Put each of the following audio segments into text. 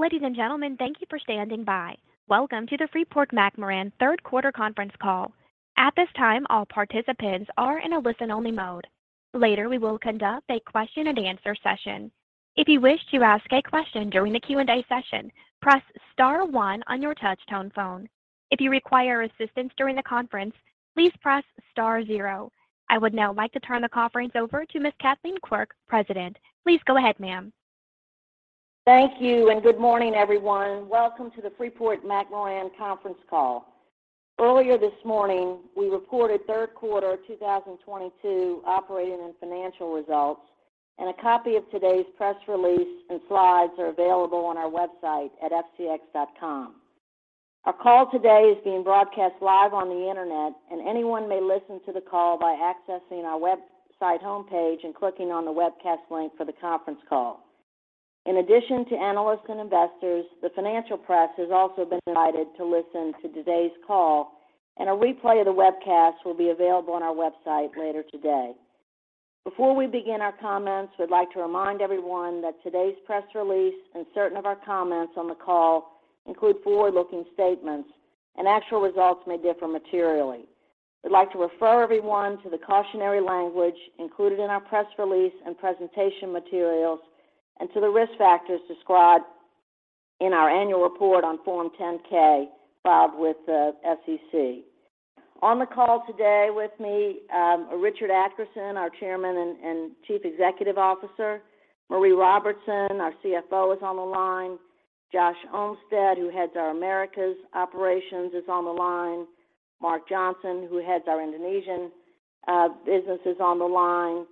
Ladies and gentlemen, thank you for standing by. Welcome to the Freeport-McMoRan third quarter conference call. At this time, all participants are in a listen-only mode. Later, we will conduct a question and answer session. If you wish to ask a question during the Q&A session, press star one on your touch-tone phone. If you require assistance during the conference, please press star zero. I would now like to turn the conference over to Ms. Kathleen Quirk, President. Please go ahead, ma'am. Thank you, and good morning, everyone. Welcome to the Freeport-McMoRan conference call. Earlier this morning, we reported third quarter 2022 operating and financial results, and a copy of today's press release and slides are available on our website at fcx.com. Our call today is being broadcast live on the Internet, and anyone may listen to the call by accessing our website homepage and clicking on the webcast link for the conference call. In addition to analysts and investors, the financial press has also been invited to listen to today's call, and a replay of the webcast will be available on our website later today. Before we begin our comments, we'd like to remind everyone that today's press release and certain of our comments on the call include forward-looking statements and actual results may differ materially. We'd like to refer everyone to the cautionary language included in our press release and presentation materials and to the risk factors described in our annual report on Form 10-K filed with the SEC. On the call today with me, Richard Adkerson, our Chairman and Chief Executive Officer. Maree Robertson, our CFO, is on the line. Josh Olmsted, who heads our Americas operations, is on the line. Mark Johnson, who heads our Indonesian business, is on the line.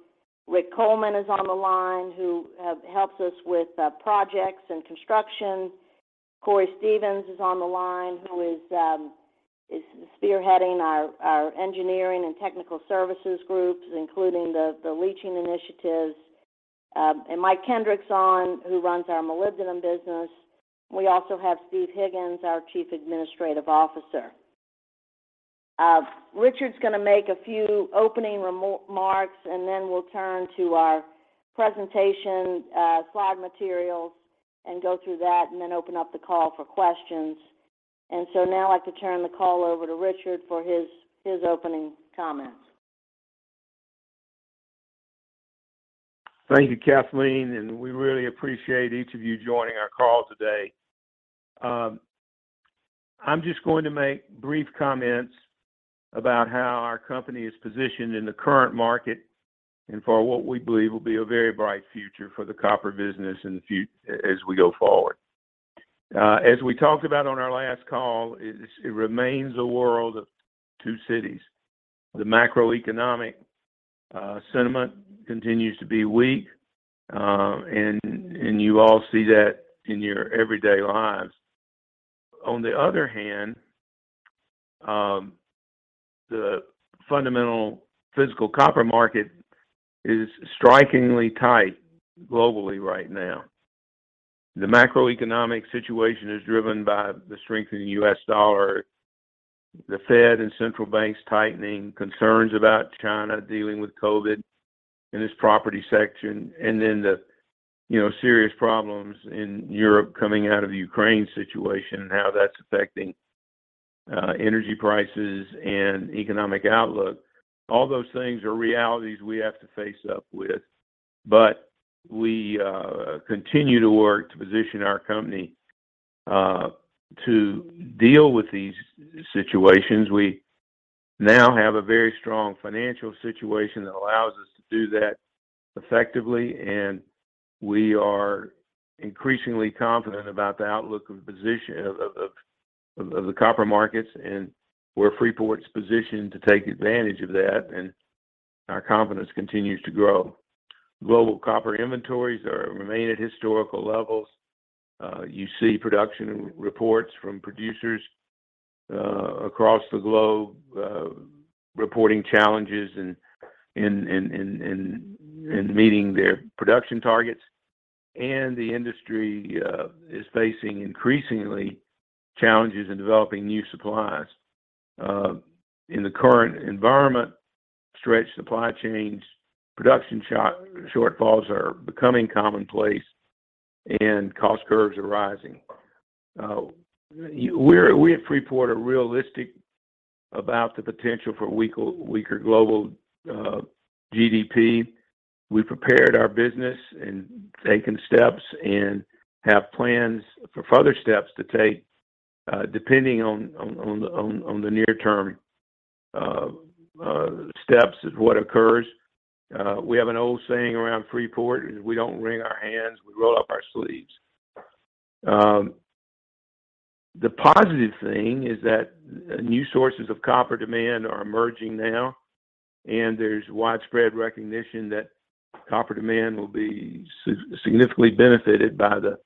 Rick Coleman is on the line, who helps us with projects and construction. Cory Stevens is on the line, who is spearheading our engineering and technical services groups, including the leaching initiatives. And Mike Kendrick's on, who runs our molybdenum business. We also have Stephen T. Higgins, our Chief Administrative Officer. Richard's gonna make a few opening remarks, and then we'll turn to our presentation, slide materials and go through that and then open up the call for questions. Now I'd like to turn the call over to Richard for his opening comments. Thank you, Kathleen, and we really appreciate each of you joining our call today. I'm just going to make brief comments about how our company is positioned in the current market and for what we believe will be a very bright future for the copper business as we go forward. As we talked about on our last call, it remains a world of two cities. The macroeconomic sentiment continues to be weak, and you all see that in your everyday lives. On the other hand, the fundamental physical copper market is strikingly tight globally right now. The macroeconomic situation is driven by the strength of the U.S. dollar, the Fed and central banks tightening, concerns about China dealing with COVID in its property sector, and then the serious problems in Europe coming out of the Ukraine situation and how that's affecting energy prices and economic outlook. All those things are realities we have to face up to, but we continue to work to position our company to deal with these situations. We now have a very strong financial situation that allows us to do that effectively, and we are increasingly confident about the outlook and position of the copper markets, and where Freeport's positioned to take advantage of that, and our confidence continues to grow. Global copper inventories remain at historical levels. You see production reports from producers across the globe reporting challenges in meeting their production targets. The industry is facing increasingly challenges in developing new supplies. In the current environment, stretched supply chains, production shortfalls are becoming commonplace and cost curves are rising. We at Freeport are realistic about the potential for weaker global GDP. We've prepared our business and taken steps and have plans for further steps to take depending on the near term steps of what occurs. We have an old saying around Freeport, is we don't wring our hands, we roll up our sleeves. The positive thing is that new sources of copper demand are emerging now, and there's widespread recognition that copper demand will be significantly benefited by the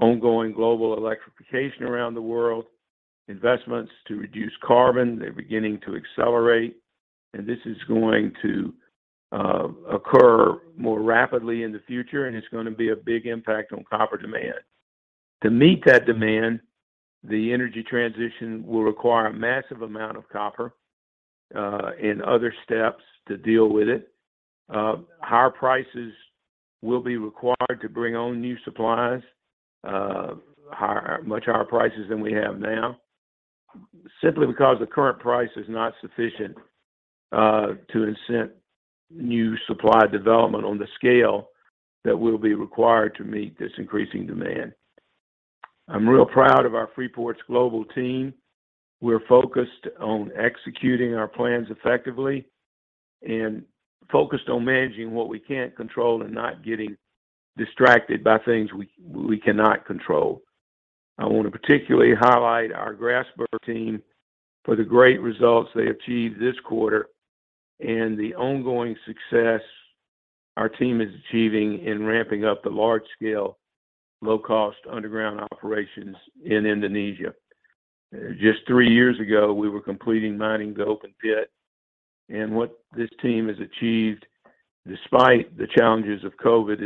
ongoing global electrification around the world. Investments to reduce carbon, they're beginning to accelerate, and this is going to occur more rapidly in the future, and it's gonna be a big impact on copper demand. To meet that demand, the energy transition will require a massive amount of copper, and other steps to deal with it. Higher prices will be required to bring on new supplies, higher, much higher prices than we have now, simply because the current price is not sufficient to incent new supply development on the scale that will be required to meet this increasing demand. I'm real proud of our Freeport-McMoRan's global team. We're focused on executing our plans effectively and focused on managing what we can't control and not getting distracted by things we cannot control. I wanna particularly highlight our Grasberg team for the great results they achieved this quarter and the ongoing success our team is achieving in ramping up the large scale, low-cost underground operations in Indonesia. Just three years ago, we were completing mining the open pit, and what this team has achieved despite the challenges of COVID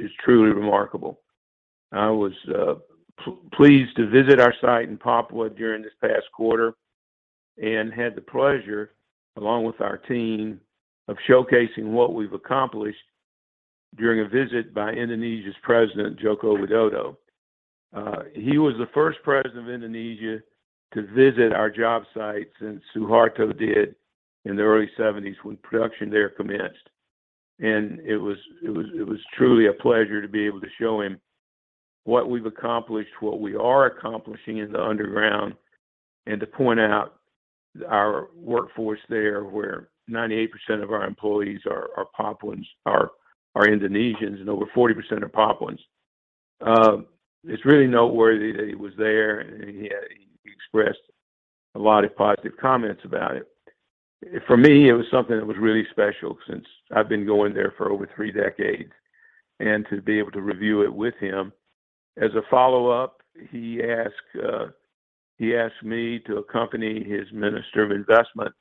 is truly remarkable. I was pleased to visit our site in Papua during this past quarter and had the pleasure, along with our team, of showcasing what we've accomplished during a visit by Indonesia's president, Joko Widodo. He was the first president of Indonesia to visit our job site since Suharto did in the early 1970s when production there commenced. It was truly a pleasure to be able to show him what we've accomplished, what we are accomplishing in the underground, and to point out our workforce there, where 98% of our employees are Papuans, are Indonesians, and over 40% are Papuans. It's really noteworthy that he was there, and he expressed a lot of positive comments about it. For me, it was something that was really special since I've been going there for over three decades, and to be able to review it with him. As a follow-up, he asked me to accompany his minister of investment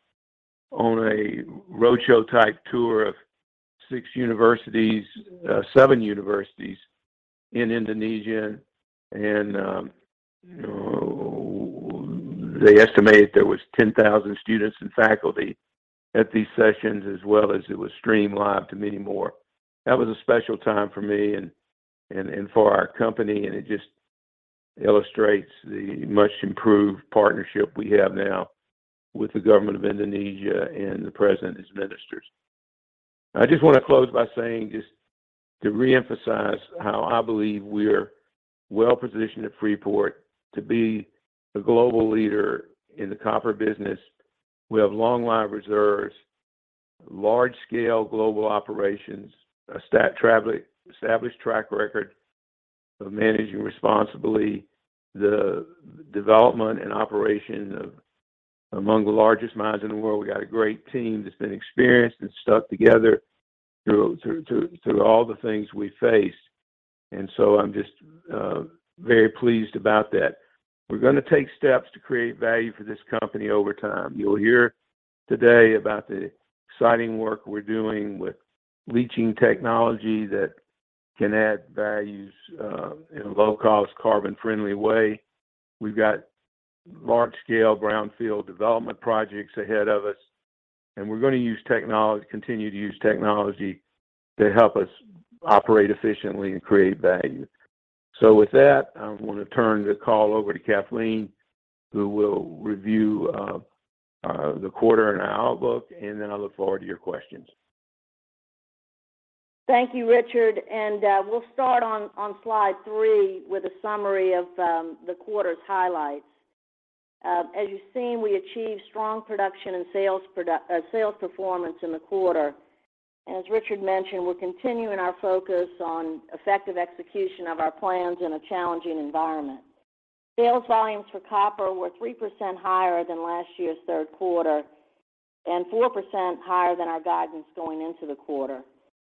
on a roadshow-type tour of seven universities in Indonesia. You know, they estimated there was 10,000 students and faculty at these sessions, as well as it was streamed to many more. That was a special time for me and for our company, and it just illustrates the much improved partnership we have now with the government of Indonesia and the president and his ministers. I just wanna close by saying just to reemphasize how I believe we're well-positioned at Freeport to be a global leader in the copper business. We have long life reserves, large-scale global operations, established track record of managing responsibly the development and operation of among the largest mines in the world. We got a great team that's been experienced and stuck together through all the things we faced. I'm just very pleased about that. We're gonna take steps to create value for this company over time. You'll hear today about the exciting work we're doing with leaching technology that can add values in a low-cost, carbon-friendly way. We've got large-scale brownfield development projects ahead of us, and we're gonna use technology, continue to use technology to help us operate efficiently and create value. With that, I want to turn the call over to Kathleen, who will review the quarter and outlook, and then I look forward to your questions. Thank you, Richard. We'll start on slide three with a summary of the quarter's highlights. As you've seen, we achieved strong production and sales performance in the quarter. As Richard mentioned, we're continuing our focus on effective execution of our plans in a challenging environment. Sales volumes for copper were 3% higher than last year's third quarter and 4% higher than our guidance going into the quarter.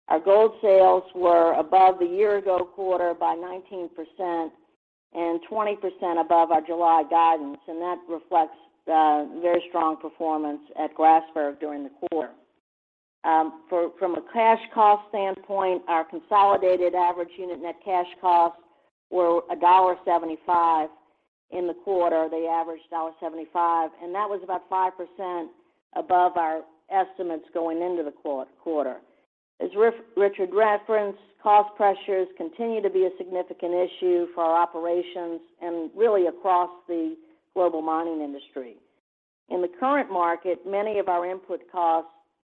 Our gold sales were above the year-ago quarter by 19% and 20% above our July guidance, and that reflects very strong performance at Grasberg during the quarter. From a cash cost standpoint, our consolidated average unit net cash costs were $1.75 in the quarter. They averaged $1.75, and that was about 5% above our estimates going into the quarter. As Richard referenced, cost pressures continue to be a significant issue for our operations and really across the global mining industry. In the current market, many of our input costs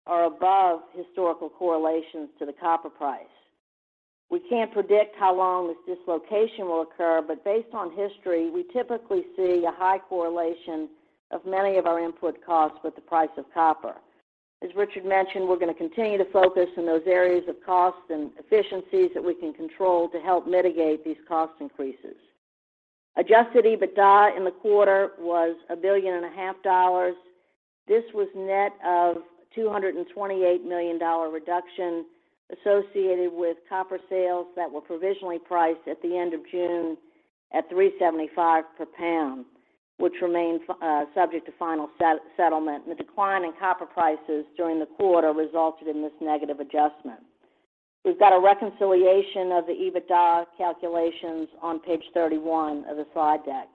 are above historical correlations to the copper price. We can't predict how long this dislocation will occur, but based on history, we typically see a high correlation of many of our input costs with the price of copper. As Richard mentioned, we're gonna continue to focus in those areas of cost and efficiencies that we can control to help mitigate these cost increases. Adjusted EBITDA in the quarter was $1.5 billion. This was net of $228 million reduction associated with copper sales that were provisionally priced at the end of June at $3.75 per pound, which remain subject to final settlement. The decline in copper prices during the quarter resulted in this negative adjustment. We've got a reconciliation of the EBITDA calculations on page 31 of the slide deck.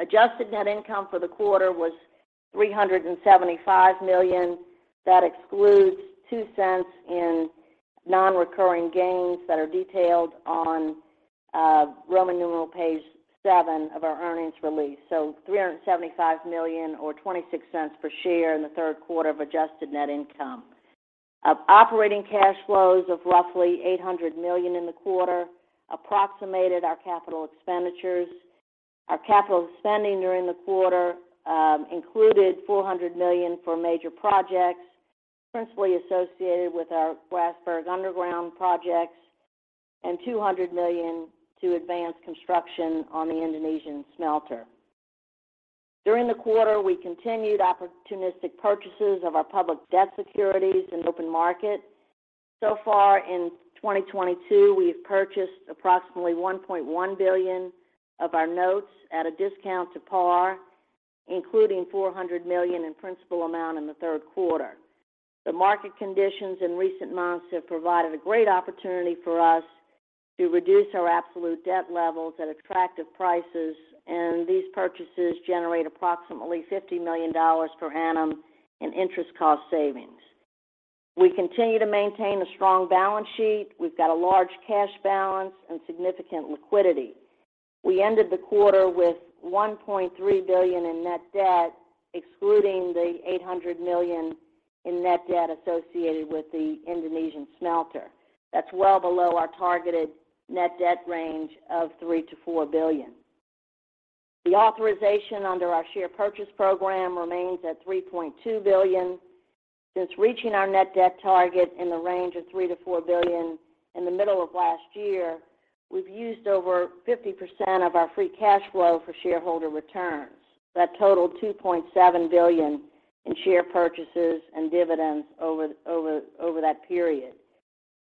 Adjusted net income for the quarter was $375 million. That excludes $0.02 in non-recurring gains that are detailed on Roman numeral page seven of our earnings release. $375 million or $0.26 per share in the third quarter of adjusted net income. Operating cash flows of roughly $800 million in the quarter approximated our capital expenditures. Our capital spending during the quarter included $400 million for major projects, principally associated with our Grasberg underground projects and $200 million to advance construction on the Indonesian smelter. During the quarter, we continued opportunistic purchases of our public debt securities in open market. So far in 2022, we have purchased approximately $1.1 billion of our notes at a discount to par, including $400 million in principal amount in the third quarter. The market conditions in recent months have provided a great opportunity for us to reduce our absolute debt levels at attractive prices, and these purchases generate approximately $50 million per annum in interest cost savings. We continue to maintain a strong balance sheet. We've got a large cash balance and significant liquidity. We ended the quarter with $1.3 billion in net debt, excluding the $800 million in net debt associated with the Indonesian smelter. That's well below our targeted net debt range of $3 billion-$4 billion. The authorization under our share purchase program remains at $3.2 billion. Since reaching our net debt target in the range of $3 billion-$4 billion in the middle of last year, we've used over 50% of our free cash flow for shareholder returns. That totaled $2.7 billion in share purchases and dividends over that period.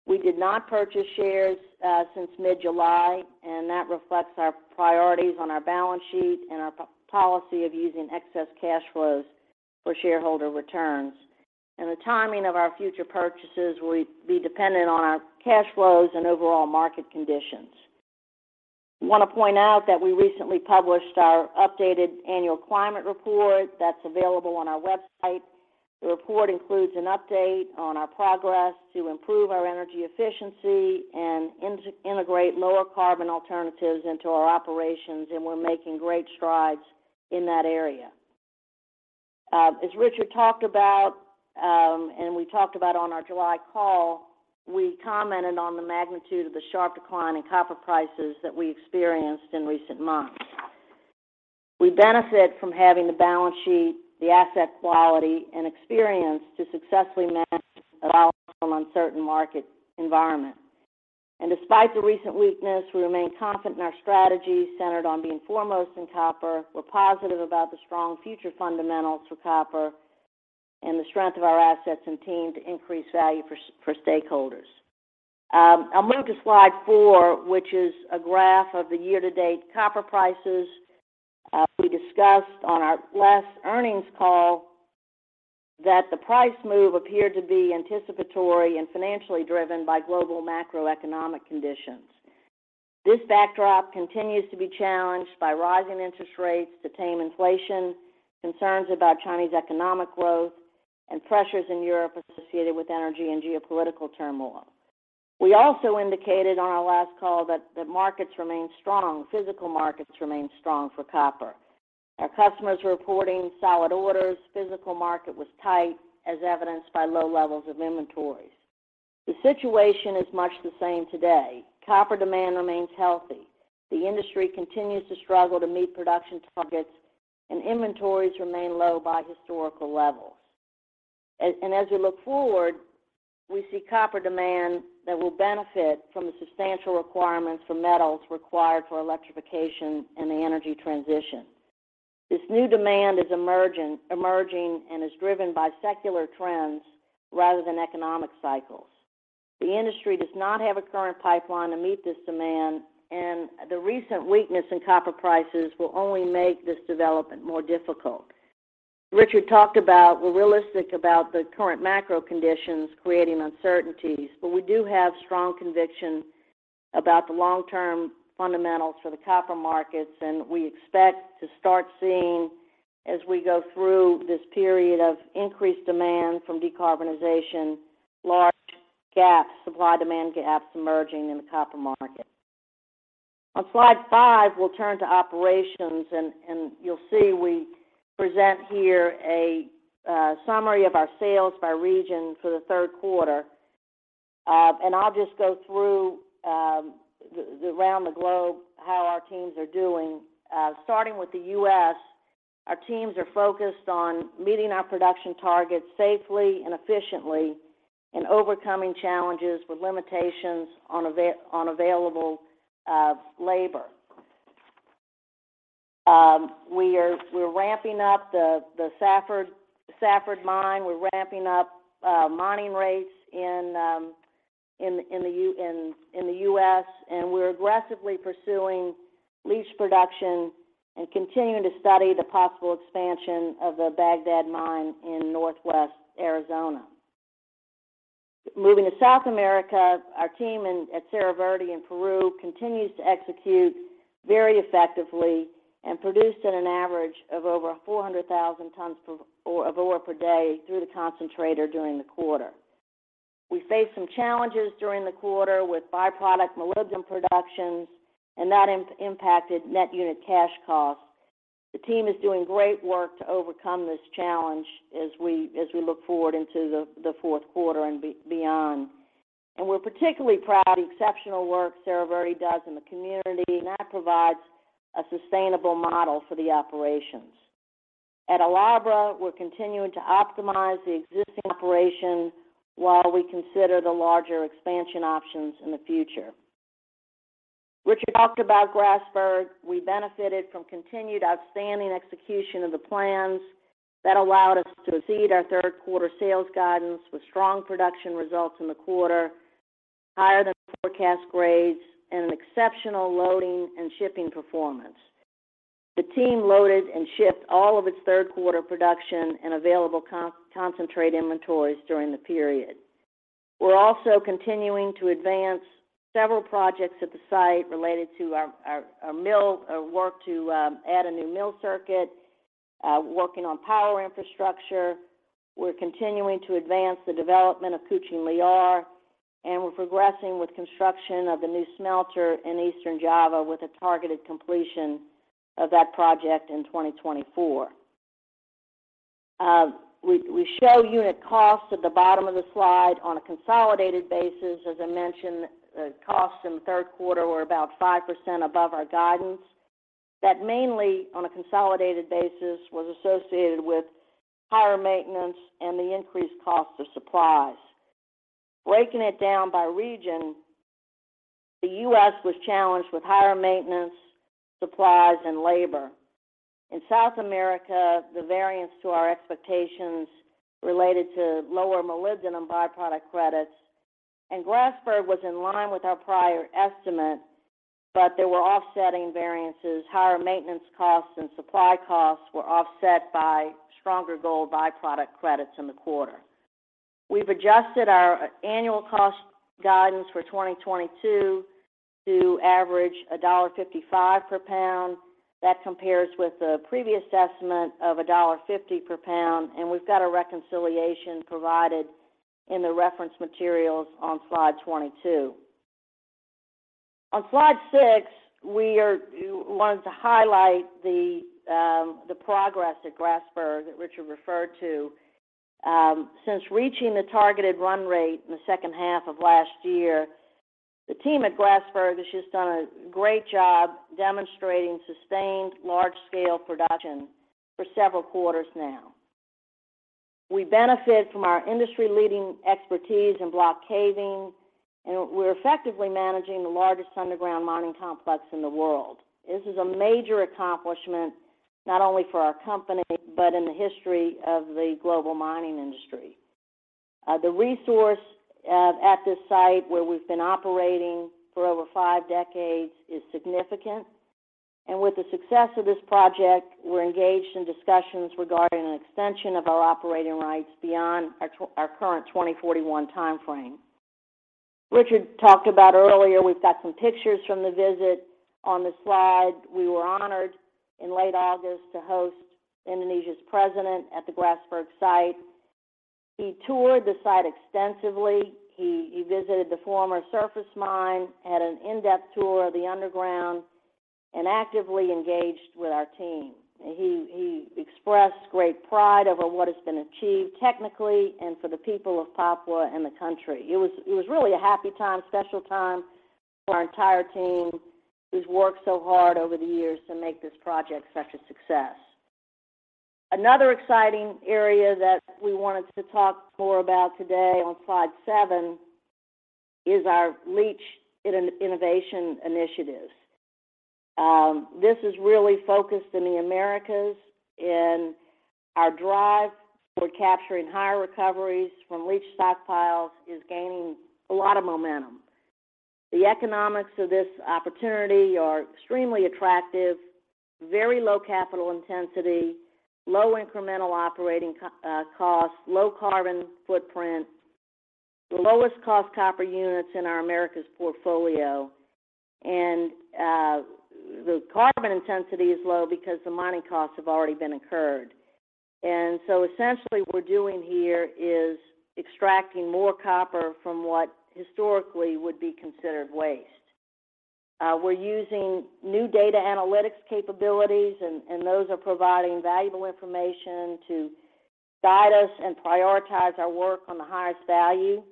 We did not purchase shares since mid-July, and that reflects our priorities on our balance sheet and our policy of using excess cash flows for shareholder returns. The timing of our future purchases will be dependent on our cash flows and overall market conditions. Want to point out that we recently published our updated annual climate report. That's available on our website. The report includes an update on our progress to improve our energy efficiency and integrate lower carbon alternatives into our operations, and we're making great strides in that area. As Richard talked about, and we talked about on our July call, we commented on the magnitude of the sharp decline in copper prices that we experienced in recent months. We benefit from having the balance sheet, the asset quality, and experience to successfully manage a volatile, uncertain market environment. Despite the recent weakness, we remain confident in our strategy centered on being foremost in copper. We're positive about the strong future fundamentals for copper and the strength of our assets and team to increase value for stakeholders. I'll move to slide four, which is a graph of the year-to-date copper prices. We discussed on our last earnings call that the price move appeared to be anticipatory and financially driven by global macroeconomic conditions. This backdrop continues to be challenged by rising interest rates to tame inflation, concerns about Chinese economic growth, and pressures in Europe associated with energy and geopolitical turmoil. We also indicated on our last call that the markets remain strong, physical markets remain strong for copper. Our customers are reporting solid orders. Physical market was tight as evidenced by low levels of inventories. The situation is much the same today. Copper demand remains healthy. The industry continues to struggle to meet production targets, and inventories remain low by historical levels. As we look forward, we see copper demand that will benefit from the substantial requirements for metals required for electrification and the energy transition. This new demand is emerging and is driven by secular trends rather than economic cycles. The industry does not have a current pipeline to meet this demand, and the recent weakness in copper prices will only make this development more difficult. Richard talked about we're realistic about the current macro conditions creating uncertainties, but we do have strong conviction about the long-term fundamentals for the copper markets, and we expect to start seeing, as we go through this period of increased demand from decarbonization, large gaps, supply-demand gaps emerging in the copper market. On slide five, we'll turn to operations, and you'll see we present here a summary of our sales by region for the third quarter. I'll just go through around the globe how our teams are doing. Starting with the U.S., our teams are focused on meeting our production targets safely and efficiently and overcoming challenges with limitations on available labor. We're ramping up the Safford Mine. We're ramping up mining rates in the U.S., and we're aggressively pursuing leach production and continuing to study the possible expansion of the Bagdad Mine in Northwest Arizona. Moving to South America, our team at Cerro Verde in Peru continues to execute very effectively and produced at an average of over 400,000 tons of ore per day through the concentrator during the quarter. We faced some challenges during the quarter with byproduct molybdenum productions and that impacted net unit cash costs. The team is doing great work to overcome this challenge as we look forward into the fourth quarter and beyond. We're particularly proud of the exceptional work Cerro Verde does in the community, and that provides a sustainable model for the operations. At El Abra, we're continuing to optimize the existing operation while we consider the larger expansion options in the future. Richard talked about Grasberg. We benefited from continued outstanding execution of the plans that allowed us to exceed our third quarter sales guidance with strong production results in the quarter, higher than forecast grades, and an exceptional loading and shipping performance. The team loaded and shipped all of its third quarter production and available concentrate inventories during the period. We're also continuing to advance several projects at the site related to our mill work to add a new mill circuit, working on power infrastructure. We're continuing to advance the development of Kucing Liar, and we're progressing with construction of the new smelter in East Java with a targeted completion of that project in 2024. We show unit costs at the bottom of the slide on a consolidated basis. As I mentioned, the costs in the third quarter were about 5% above our guidance. That mainly, on a consolidated basis, was associated with higher maintenance and the increased cost of supplies. Breaking it down by region, the U.S. was challenged with higher maintenance, supplies, and labor. In South America, the variance to our expectations related to lower molybdenum byproduct credits. Grasberg was in line with our prior estimate, but there were offsetting variances. Higher maintenance costs and supply costs were offset by stronger gold byproduct credits in the quarter. We've adjusted our annual cost guidance for 2022 to average $1.55 per pound. That compares with the previous estimate of $1.50 per pound, and we've got a reconciliation provided in the reference materials on slide 22. On slide six, we wanted to highlight the progress at Grasberg that Richard referred to. Since reaching the targeted run rate in the second half of last year, the team at Grasberg has just done a great job demonstrating sustained large-scale production for several quarters now. We benefit from our industry-leading expertise in block caving, and we're effectively managing the largest underground mining complex in the world. This is a major accomplishment, not only for our company, but in the history of the global mining industry. The resource at this site, where we've been operating for over five decades, is significant. With the success of this project, we're engaged in discussions regarding an extension of our operating rights beyond our current 2041 timeframe. Richard talked about earlier, we've got some pictures from the visit on the slide. We were honored in late August to host Indonesia's president at the Grasberg site. He toured the site extensively. He visited the former surface mine, had an in-depth tour of the underground, and actively engaged with our team. He expressed great pride over what has been achieved technically and for the people of Papua and the country. It was really a happy time, special time for our entire team who's worked so hard over the years to make this project such a success. Another exciting area that we wanted to talk more about today on slide seven is our leach innovation initiatives. This is really focused in the Americas, and our drive for capturing higher recoveries from leach stockpiles is gaining a lot of momentum. The economics of this opportunity are extremely attractive, very low capital intensity, low incremental operating costs, low carbon footprint, the lowest cost copper units in our Americas portfolio. The carbon intensity is low because the mining costs have already been incurred. Essentially what we're doing here is extracting more copper from what historically would be considered waste. We're using new data analytics capabilities and those are providing valuable information to guide us and prioritize our work on the highest value.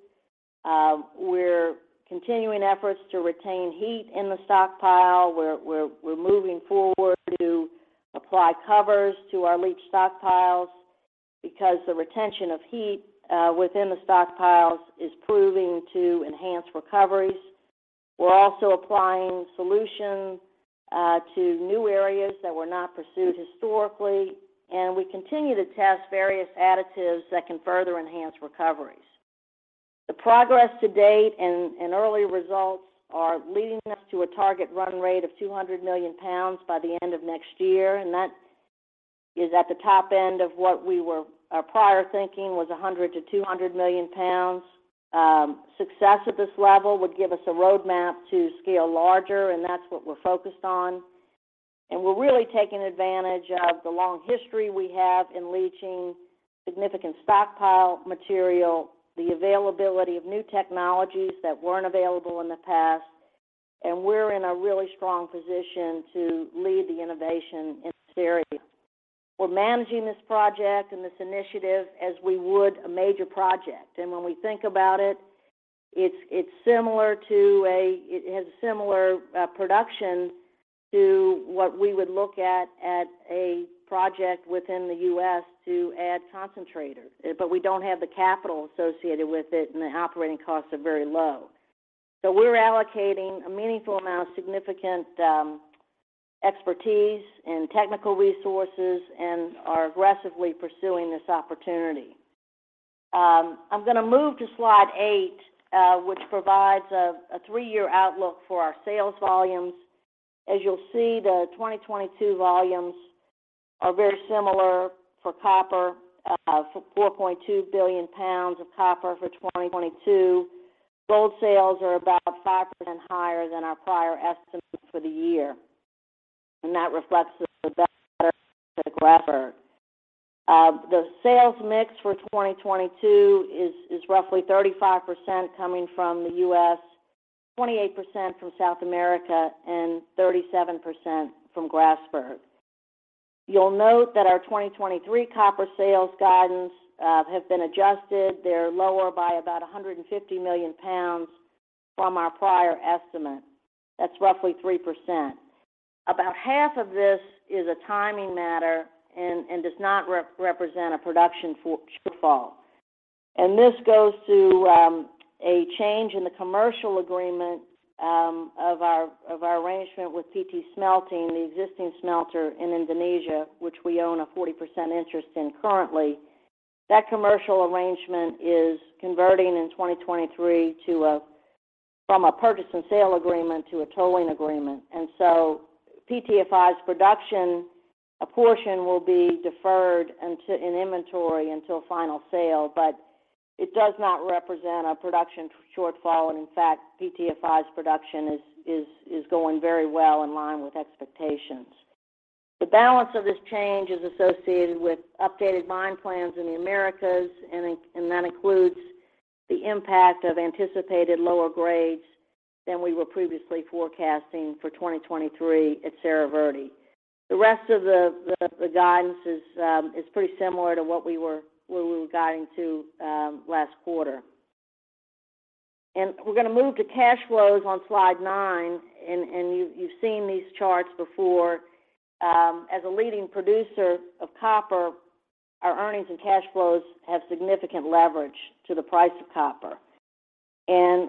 We're continuing efforts to retain heat in the stockpile. We're moving forward to apply covers to our leach stockpiles because the retention of heat within the stockpiles is proving to enhance recoveries. We're also applying solutions to those that were not pursued historically, and we continue to test various additives that can further enhance recoveries. The progress to date and early results are leading us to a target run rate of 200 million pounds by the end of next year, and that is at the top end of what our prior thinking was 100 million-200 million pounds. Success at this level would give us a roadmap to scale larger, and that's what we're focused on. We're really taking advantage of the long history we have in leaching significant stockpile material, the availability of new technologies that weren't available in the past, and we're in a really strong position to lead the innovation in this area. We're managing this project and this initiative as we would a major project. When we think about it's similar to what we would look at at a project within the U.S. to add concentrators. We don't have the capital associated with it, and the operating costs are very low. We're allocating a meaningful amount of significant expertise and technical resources and are aggressively pursuing this opportunity. I'm gonna move to slide 8, which provides a three-year outlook for our sales volumes. As you'll see, the 2022 volumes are very similar for copper, 4.2 billion pounds of copper for 2022. Gold sales are about 5% higher than our prior estimates for the year, and that reflects the better grade at Grasberg. The sales mix for 2022 is roughly 35% coming from the U.S., 28% from South America, and 37% from Grasberg. You'll note that our 2023 copper sales guidance have been adjusted. They're lower by about 150 million pounds from our prior estimate. That's roughly 3%. About half of this is a timing matter and does not represent a production shortfall. This goes to a change in the commercial agreement of our arrangement with PT Smelting, the existing smelter in Indonesia, which we own a 40% interest in currently. That commercial arrangement is converting in 2023 from a purchase and sale agreement to a tolling agreement. PT-FI's production, a portion will be deferred until in inventory until final sale, but it does not represent a production shortfall, and in fact, PT-FI's production is going very well in line with expectations. The balance of this change is associated with updated mine plans in the Americas, and that includes the impact of anticipated lower grades than we were previously forecasting for 2023 at Cerro Verde. The rest of the guidance is pretty similar to what we were guiding to last quarter. We're gonna move to cash flows on slide nine, and you've seen these charts before. As a leading producer of copper, our earnings and cash flows have significant leverage to the price of copper.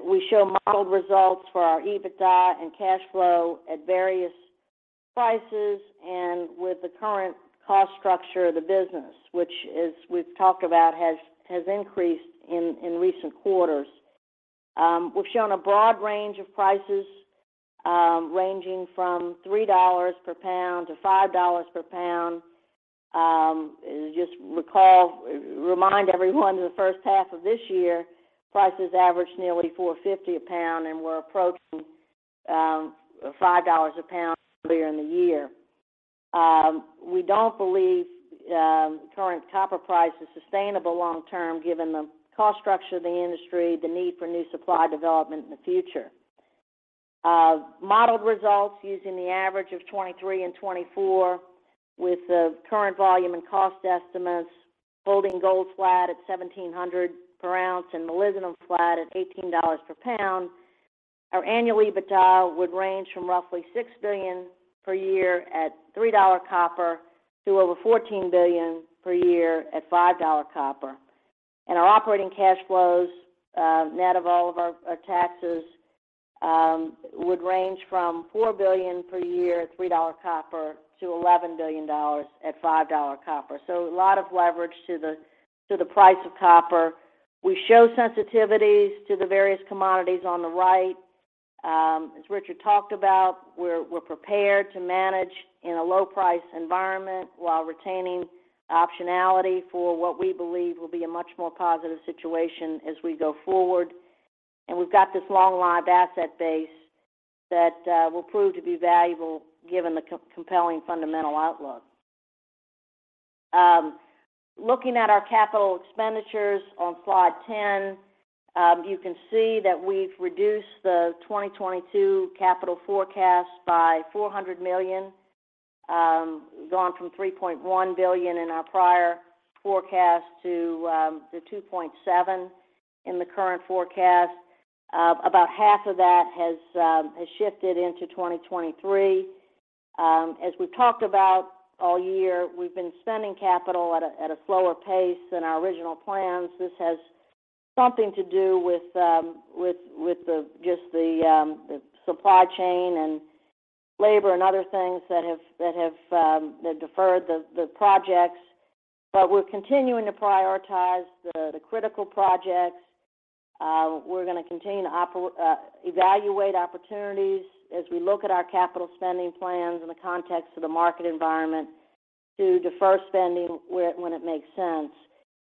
We show modeled results for our EBITDA and cash flow at various prices and with the current cost structure of the business, which, as we've talked about, has increased in recent quarters. We've shown a broad range of prices, ranging from $3 per pound to $5 per pound. Just remind everyone in the first half of this year, prices averaged nearly $4.50 per pound, and we're approaching $5 per pound earlier in the year. We don't believe current copper price is sustainable long term given the cost structure of the industry, the need for new supply development in the future. Modeled results using the average of 2023 and 2024 with the current volume and cost estimates, holding gold flat at $1,700 per ounce and molybdenum flat at $18 per pound, our annual EBITDA would range from roughly $6 billion per year at $3 copper to over $14 billion per year at $5 copper. Our operating cash flows, net of all of our taxes, would range from $4 billion per year at $3 copper to $11 billion at $5 copper. A lot of leverage to the price of copper. We show sensitivities to the various commodities on the right. As Richard talked about, we're prepared to manage in a low-price environment while retaining optionality for what we believe will be a much more positive situation as we go forward. We've got this long-lived asset base that will prove to be valuable given the compelling fundamental outlook. Looking at our capital expenditures on slide 10, you can see that we've reduced the 2022 capital forecast by $400 million, gone from $3.1 billion in our prior forecast to the $2.7 billion in the current forecast. About half of that has shifted into 2023. As we've talked about all year, we've been spending capital at a slower pace than our original plans. This has something to do with the supply chain and labor and other things that have deferred the projects. We're continuing to prioritize the critical projects. We're gonna continue to evaluate opportunities as we look at our capital spending plans in the context of the market environment to defer spending when it makes sense.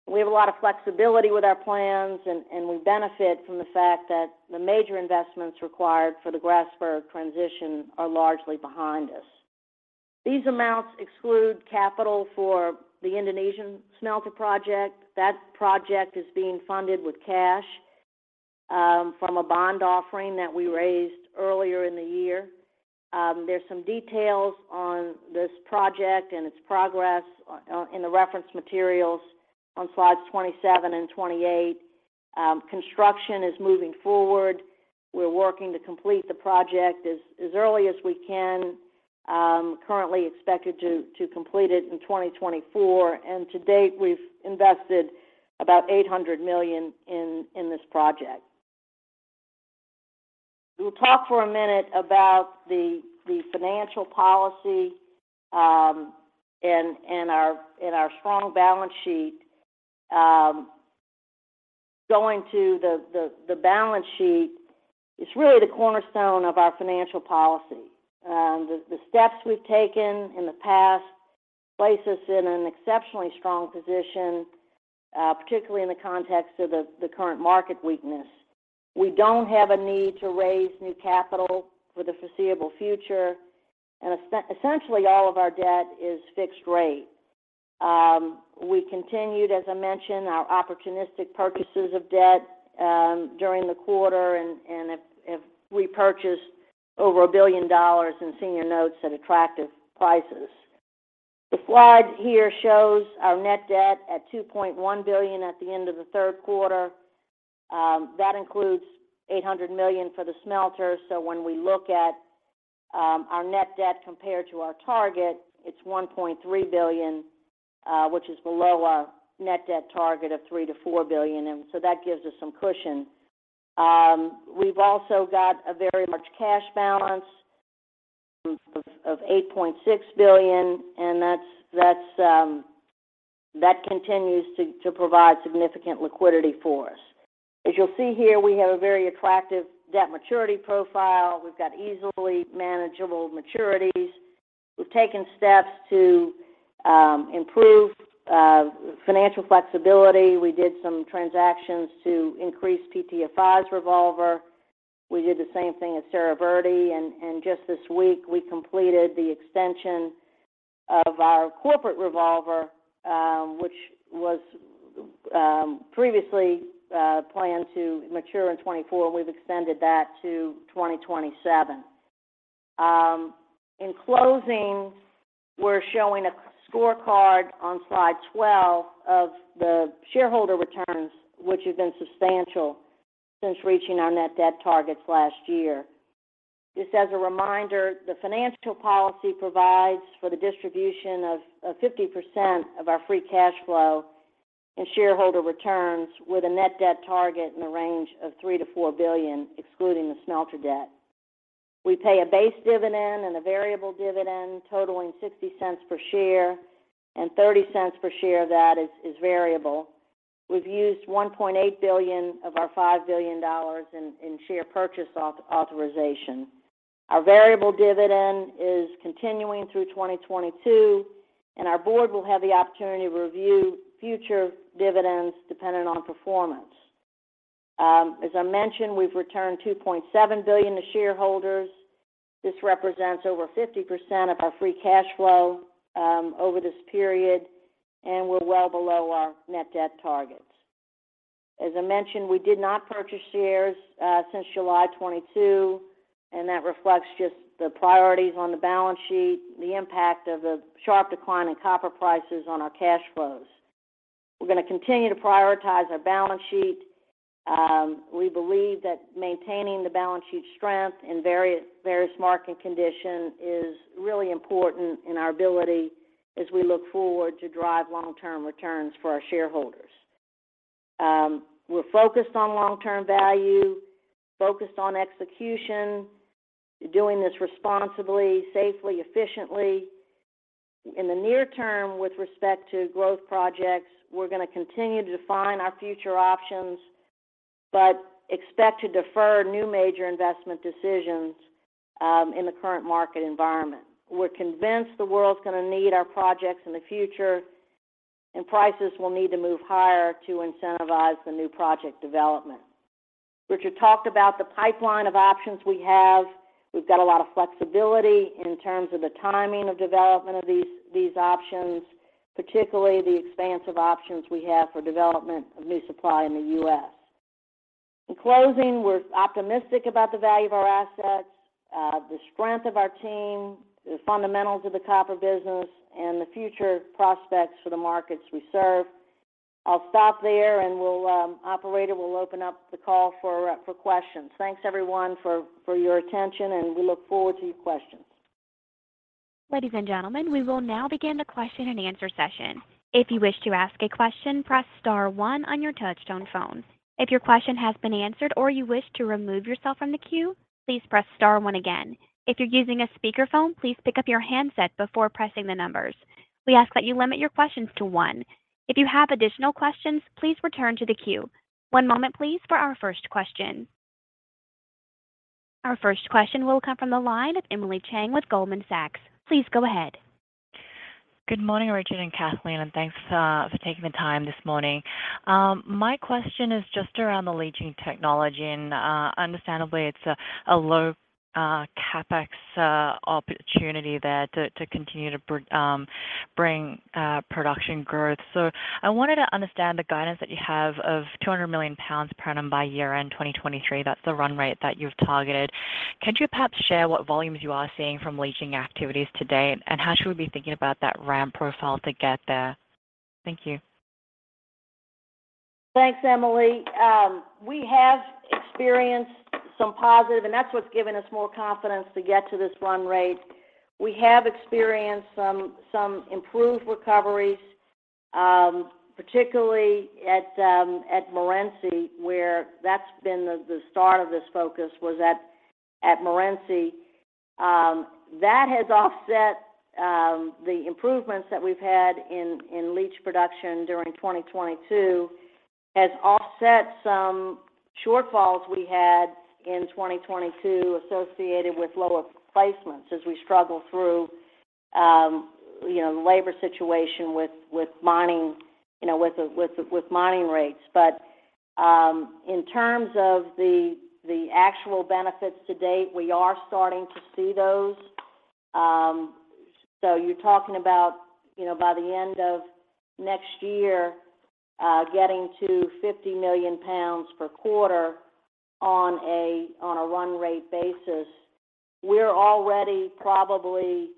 We have a lot of flexibility with our plans, and we benefit from the fact that the major investments required for the Grasberg transition are largely behind us. These amounts exclude capital for the Indonesian smelter project. That project is being funded with cash from a bond offering that we raised earlier in the year. There's some details on this project and its progress in the reference materials on slides 27 and 28. Construction is moving forward. We're working to complete the project as early as we can. Currently expected to complete it in 2024, and to date, we've invested about $800 million in this project. We'll talk for a minute about the financial policy and our strong balance sheet. Going to the balance sheet, it's really the cornerstone of our financial policy. The steps we've taken in the past place us in an exceptionally strong position, particularly in the context of the current market weakness. We don't have a need to raise new capital for the foreseeable future, and essentially all of our debt is fixed rate. We continued, as I mentioned, our opportunistic purchases of debt during the quarter and have repurchased over $1 billion in senior notes at attractive prices. The slide here shows our net debt at $2.1 billion at the end of the third quarter. That includes $800 million for the smelter, so when we look at our net debt compared to our target, it's $1.3 billion, which is below our net debt target of $3 billion-$4 billion, that gives us some cushion. We've also got a very much cash balance of $8.6 billion, and that's that continues to provide significant liquidity for us. As you'll see here, we have a very attractive debt maturity profile. We've got easily manageable maturities. We've taken steps to improve financial flexibility. We did some transactions to increase PTFI's revolver. We did the same thing at Cerro Verde, and just this week, we completed the extension of our corporate revolver, which was previously planned to mature in 2024. We've extended that to 2027. In closing, we're showing a scorecard on slide 12 of the shareholder returns, which have been substantial since reaching our net debt targets last year. Just as a reminder, the financial policy provides for the distribution of 50% of our free cash flow in shareholder returns with a net debt target in the range of $3 billion-$4 billion, excluding the smelter debt. We pay a base dividend and a variable dividend totaling $0.60 per share, and $0.30 per share of that is variable. We've used $1.8 billion of our $5 billion in share purchase authorization. Our variable dividend is continuing through 2022, and our board will have the opportunity to review future dividends depending on performance. As I mentioned, we've returned $2.7 billion to shareholders. This represents over 50% of our free cash flow over this period, and we're well below our net debt targets. As I mentioned, we did not purchase shares since July 2022, and that reflects just the priorities on the balance sheet, the impact of the sharp decline in copper prices on our cash flows. We're gonna continue to prioritize our balance sheet. We believe that maintaining the balance sheet strength in various market condition is really important in our ability as we look forward to drive long-term returns for our shareholders. We're focused on long-term value, focused on execution, doing this responsibly, safely, efficiently. In the near term, with respect to growth projects, we're gonna continue to define our future options, but expect to defer new major investment decisions in the current market environment. We're convinced the world's gonna need our projects in the future, and prices will need to move higher to incentivize the new project development. Richard talked about the pipeline of options we have. We've got a lot of flexibility in terms of the timing of development of these options, particularly the expansive options we have for development of new supply in the U.S. In closing, we're optimistic about the value of our assets, the strength of our team, the fundamentals of the copper business, and the future prospects for the markets we serve. I'll stop there, and Operator will open up the call for questions. Thanks everyone for your attention, and we look forward to your questions. Ladies and gentlemen, we will now begin the question and answer session. If you wish to ask a question, press star one on your touchtone phone. If your question has been answered or you wish to remove yourself from the queue, please press star one again. If you're using a speakerphone, please pick up your handset before pressing the numbers. We ask that you limit your questions to one. If you have additional questions, please return to the queue. One moment please for our first question. Our first question will come from the line of Emily Chieng with Goldman Sachs. Please go ahead. Good morning, Richard and Kathleen, and thanks for taking the time this morning. My question is just around the leaching technology and, understandably it's a low CapEx opportunity there to continue to bring production growth. I wanted to understand the guidance that you have of 200 million pounds per annum by year-end 2023. That's the run rate that you've targeted. Could you perhaps share what volumes you are seeing from leaching activities to date, and how should we be thinking about that ramp profile to get there? Thank you. Thanks, Emily. We have experienced some positive, and that's what's given us more confidence to get to this run rate. We have experienced some improved recoveries, particularly at Morenci, where that's been the start of this focus was at Morenci. That has offset the improvements that we've had in leach production during 2022, has offset some shortfalls we had in 2022 associated with lower placements as we struggle through, you know, the labor situation with mining, you know, with the mining rates. In terms of the actual benefits to date, we are starting to see those. You're talking about, you know, by the end of next year, getting to 50 million pounds per quarter on a run rate basis. We're already probably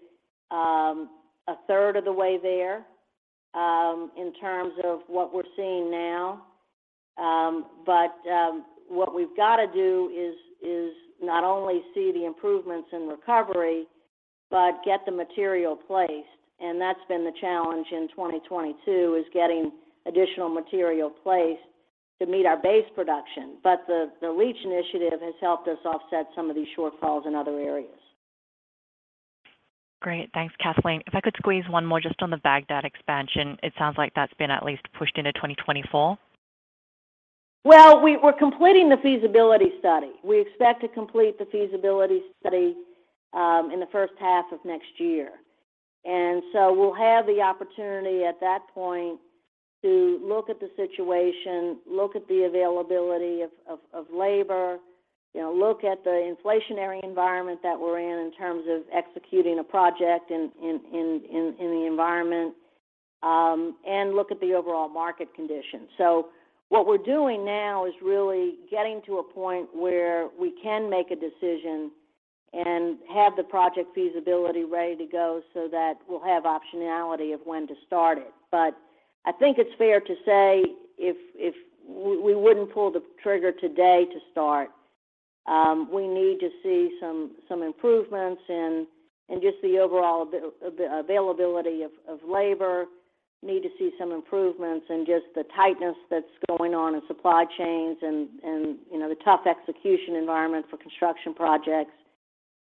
a third of the way there in terms of what we're seeing now. What we've got to do is not only see the improvements in recovery, but get the material placed. That's been the challenge in 2022 is getting additional material placed to meet our base production. The leach initiative has helped us offset some of these shortfalls in other areas. Great. Thanks, Kathleen. If I could squeeze one more just on the Bagdad expansion. It sounds like that's been at least pushed into 2024. Well, we're completing the feasibility study. We expect to complete the feasibility study in the first half of next year. We'll have the opportunity at that point to look at the situation, look at the availability of labor, you know, look at the inflationary environment that we're in terms of executing a project in the environment, and look at the overall market conditions. What we're doing now is really getting to a point where we can make a decision and have the project feasibility ready to go so that we'll have optionality of when to start it. I think it's fair to say if we wouldn't pull the trigger today to start, we need to see some improvements in just the overall availability of labor, need to see some improvements in just the tightness that's going on in supply chains and, you know, the tough execution environment for construction projects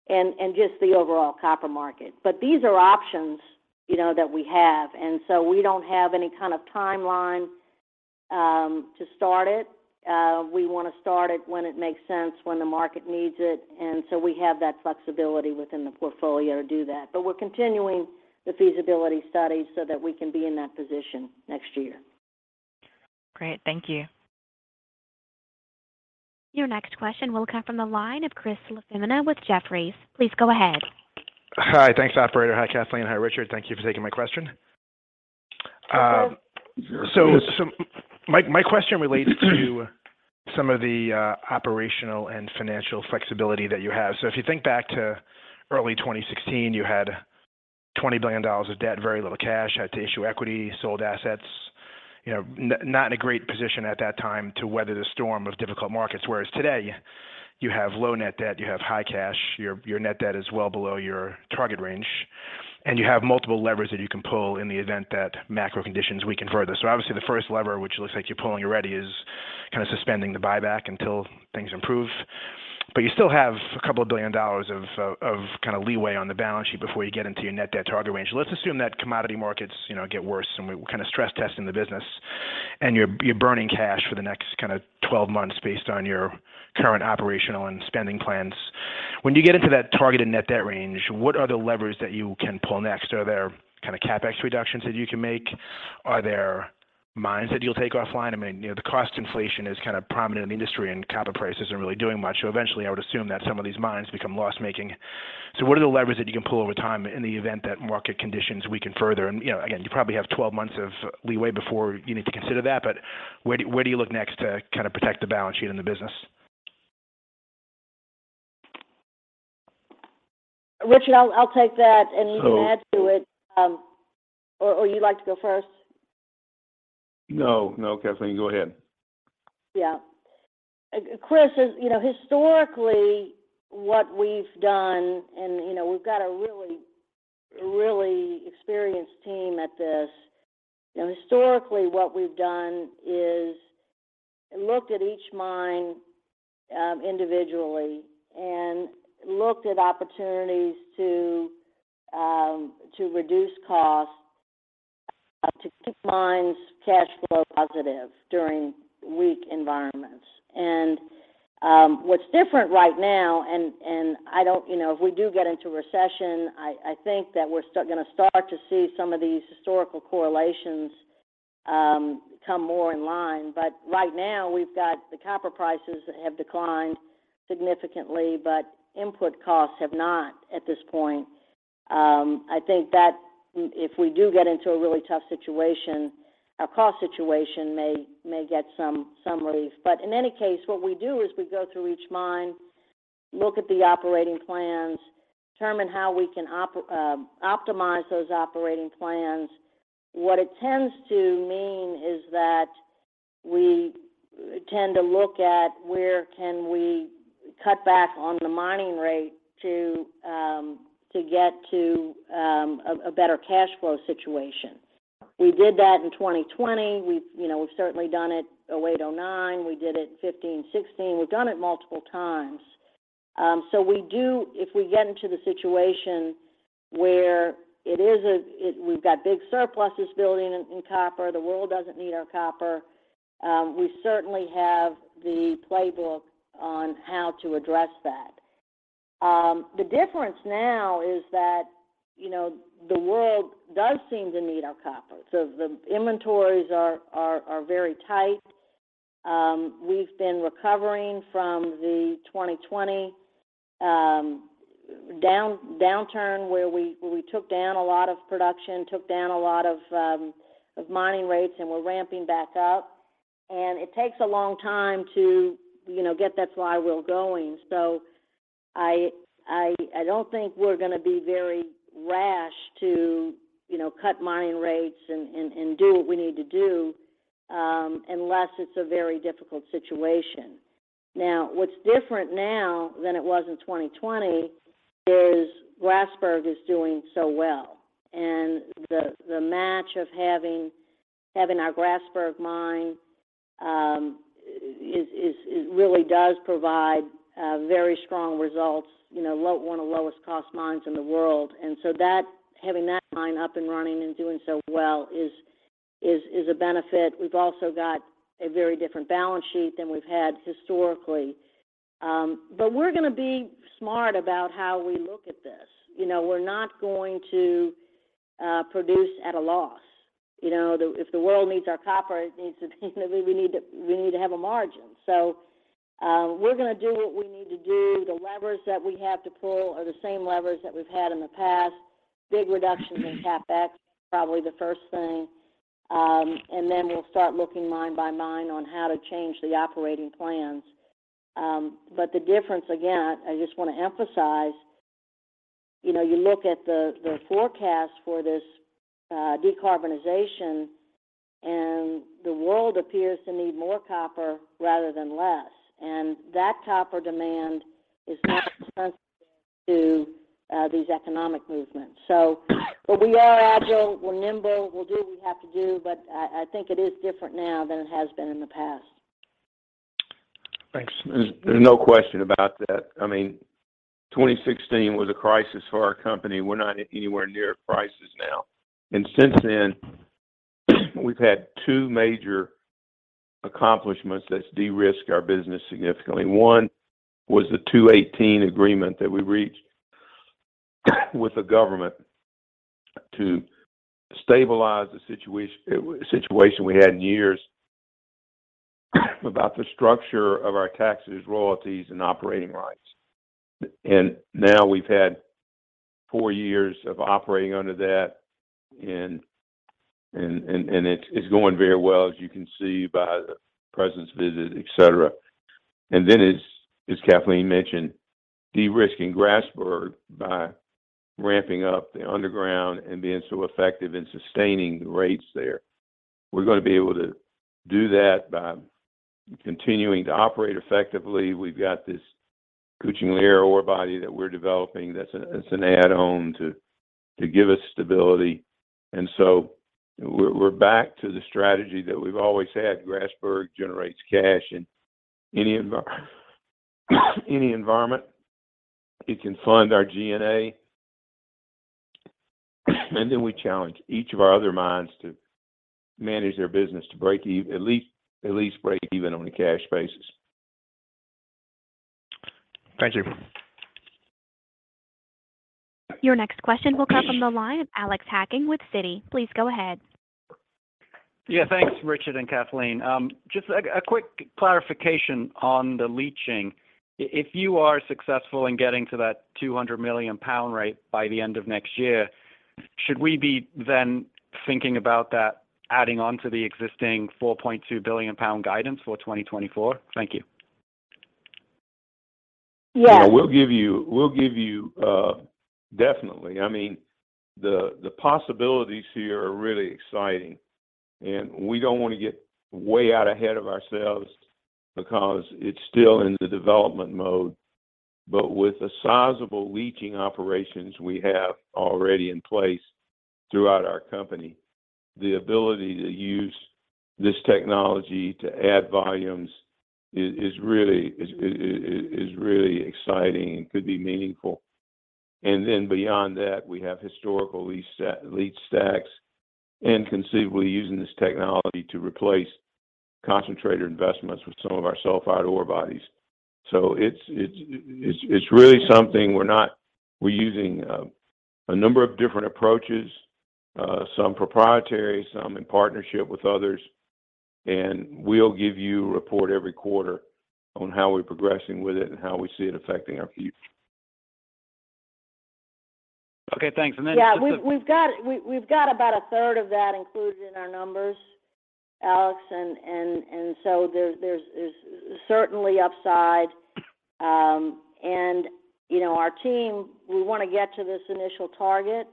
and just the overall copper market. These are options, you know, that we have, and so we don't have any kind of timeline to start it. We wanna start it when it makes sense, when the market needs it, and so we have that flexibility within the portfolio to do that. We're continuing the feasibility study so that we can be in that position next year. Great. Thank you. Your next question will come from the line of Christopher LaFemina with Jefferies. Please go ahead. Hi. Thanks, operator. Hi, Kathleen. Hi, Richard. Thank you for taking my question. My question relates to some of the operational and financial flexibility that you have. If you think back to early 2016, you had $20 billion of debt, very little cash, had to issue equity, sold assets. You know, not in a great position at that time to weather the storm of difficult markets. Whereas today you have low net debt, you have high cash, your net debt is well below your target range, and you have multiple levers that you can pull in the event that macro conditions weaken further. Obviously the first lever, which looks like you're pulling already, is kind of suspending the buyback until things improve. You still have a couple of billion dollars of kind of leeway on the balance sheet before you get into your net debt target range. Let's assume that commodity markets, you know, get worse and we're kind of stress testing the business and you're burning cash for the next kind of 12 months based on your current operational and spending plans. When you get into that targeted net debt range, what are the levers that you can pull next? Are there kind of CapEx reductions that you can make? Are there mines that you'll take offline? I mean, you know, the cost inflation is kind of prominent in the industry, and copper prices aren't really doing much. Eventually I would assume that some of these mines become loss-making. What are the levers that you can pull over time in the event that market conditions weaken further? You know, again, you probably have 12 months of leeway before you need to consider that. Where do you look next to kind of protect the balance sheet in the business? Richard, I'll take that and you can add to it you'd like to go first? No, no, Kathleen, go ahead. Yeah. Chris, as you know, historically what we've done, and, you know, we've got a really experienced team at this. You know, historically what we've done is looked at each mine individually and looked at opportunities to reduce costs to keep mines cash flow positive during weak environments. What's different right now, and I don't, you know, if we do get into recession, I think that we're gonna start to see some of these historical correlations come more in line. But right now we've got the copper prices have declined significantly, but input costs have not at this point. I think that if we do get into a really tough situation, our cost situation may get some relief. In any case, what we do is we go through each mine, look at the operating plans, determine how we can optimize those operating plans. What it tends to mean is that we tend to look at where can we cut back on the mining rate to get to a better cash flow situation. We did that in 2020. We've, you know, we've certainly done it 2008, 2009. We did it 2015, 2016. We've done it multiple times. So we do if we get into the situation where it is we've got big surpluses building in copper, the world doesn't need our copper, we certainly have the playbook on how to address that. The difference now is that, you know, the world does seem to need our copper. So the inventories are very tight. We've been recovering from the 2020 downturn where we took down a lot of production, took down a lot of mining rates, and we're ramping back up. It takes a long time to, you know, get that flywheel going. I don't think we're gonna be very rash to, you know, cut mining rates and do what we need to do unless it's a very difficult situation. Now, what's different now than it was in 2020 is Grasberg is doing so well, and the match of having our Grasberg Mine is really does provide very strong results, you know, one of the lowest cost mines in the world. That having that mine up and running and doing so well is a benefit. We've also got a very different balance sheet than we've had historically. We're gonna be smart about how we look at this. You know, we're not going to produce at a loss. You know, if the world needs our copper, we need to have a margin. We're gonna do what we need to do. The levers that we have to pull are the same levers that we've had in the past. Big reductions in CapEx, probably the first thing. Then we'll start looking mine by mine on how to change the operating plans. The difference, again, I just wanna emphasize, you know, you look at the forecast for this decarbonization, and the world appears to need more copper rather than less, and that copper demand is not as sensitive to these economic movements. We'll be all agile. We're nimble. We'll do what we have to do. I think it is different now than it has been in the past. Thanks. There's no question about that. I mean, 2016 was a crisis for our company. We're not anywhere near a crisis now. Since then, we've had two major accomplishments that's de-risked our business significantly. One was the 2018 agreement that we reached with the government to stabilize the situation we had in years about the structure of our taxes, royalties, and operating rights. Now we've had four years of operating under that, and it's going very well, as you can see by the president's visit, et cetera. Then as Kathleen mentioned, de-risking Grasberg by ramping up the underground and being so effective in sustaining the rates there. We're gonna be able to do that by continuing to operate effectively. We've got this Kucing Liar ore body that we're developing that's an add-on to give us stability. We're back to the strategy that we've always had. Grasberg generates cash in any environment. It can fund our G&A. We challenge each of our other mines to manage their business to at least break even on a cash basis. Thank you. Your next question will come from the line of Alex Hacking with Citi. Please go ahead. Yeah, thanks, Richard and Kathleen. Just a quick clarification on the leaching. If you are successful in getting to that 200 million pound rate by the end of next year. Should we be then thinking about that adding on to the existing 4.2 billion pound guidance for 2024? Thank you. Yeah. Well, we'll give you definitely. I mean, the possibilities here are really exciting, and we don't wanna get way out ahead of ourselves because it's still in the development mode. With the sizable leaching operations we have already in place throughout our company, the ability to use this technology to add volumes is really exciting and could be meaningful. Beyond that, we have historical leach stock and leach stacks and conceivably using this technology to replace concentrator investments with some of our sulfide ore bodies. It's really something. We're using a number of different approaches, some proprietary, some in partnership with others. We'll give you a report every quarter on how we're progressing with it and how we see it affecting our future. Okay, thanks. Yeah. We've got about a third of that included in our numbers, Alex. There's certainly upside. You know, our team, we wanna get to this initial target,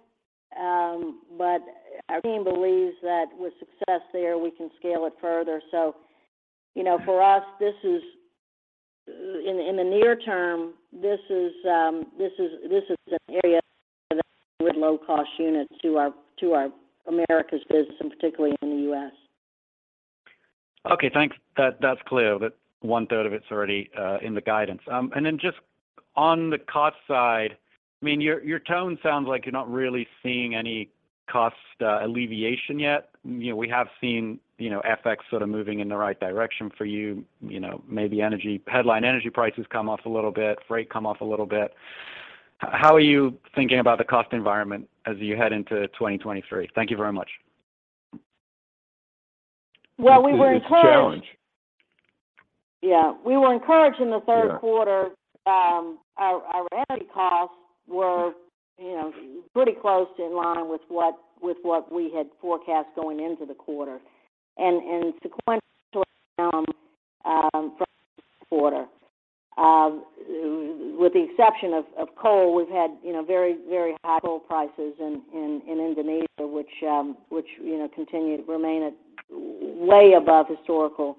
but our team believes that with success there, we can scale it further. You know, for us, this is in the near term, this is an area that with low cost units to our Americas business and particularly in the U.S. Okay, thanks. That's clear that one third of it's already in the guidance. Just on the cost side, I mean, your tone sounds like you're not really seeing any cost alleviation yet. You know, we have seen, you know, FX sort of moving in the right direction for you. You know, maybe energy, headline energy prices come off a little bit, freight come off a little bit. How are you thinking about the cost environment as you head into 2023? Thank you very much. Well, we were encouraged. It's a challenge. Yeah. We were encouraged in the third quarter. Yeah. Our energy costs were, you know, pretty close to in line with what we had forecast going into the quarter. Sequentially down from last quarter. With the exception of coal, we've had, you know, very high coal prices in Indonesia, which, you know, continue to remain at way above historical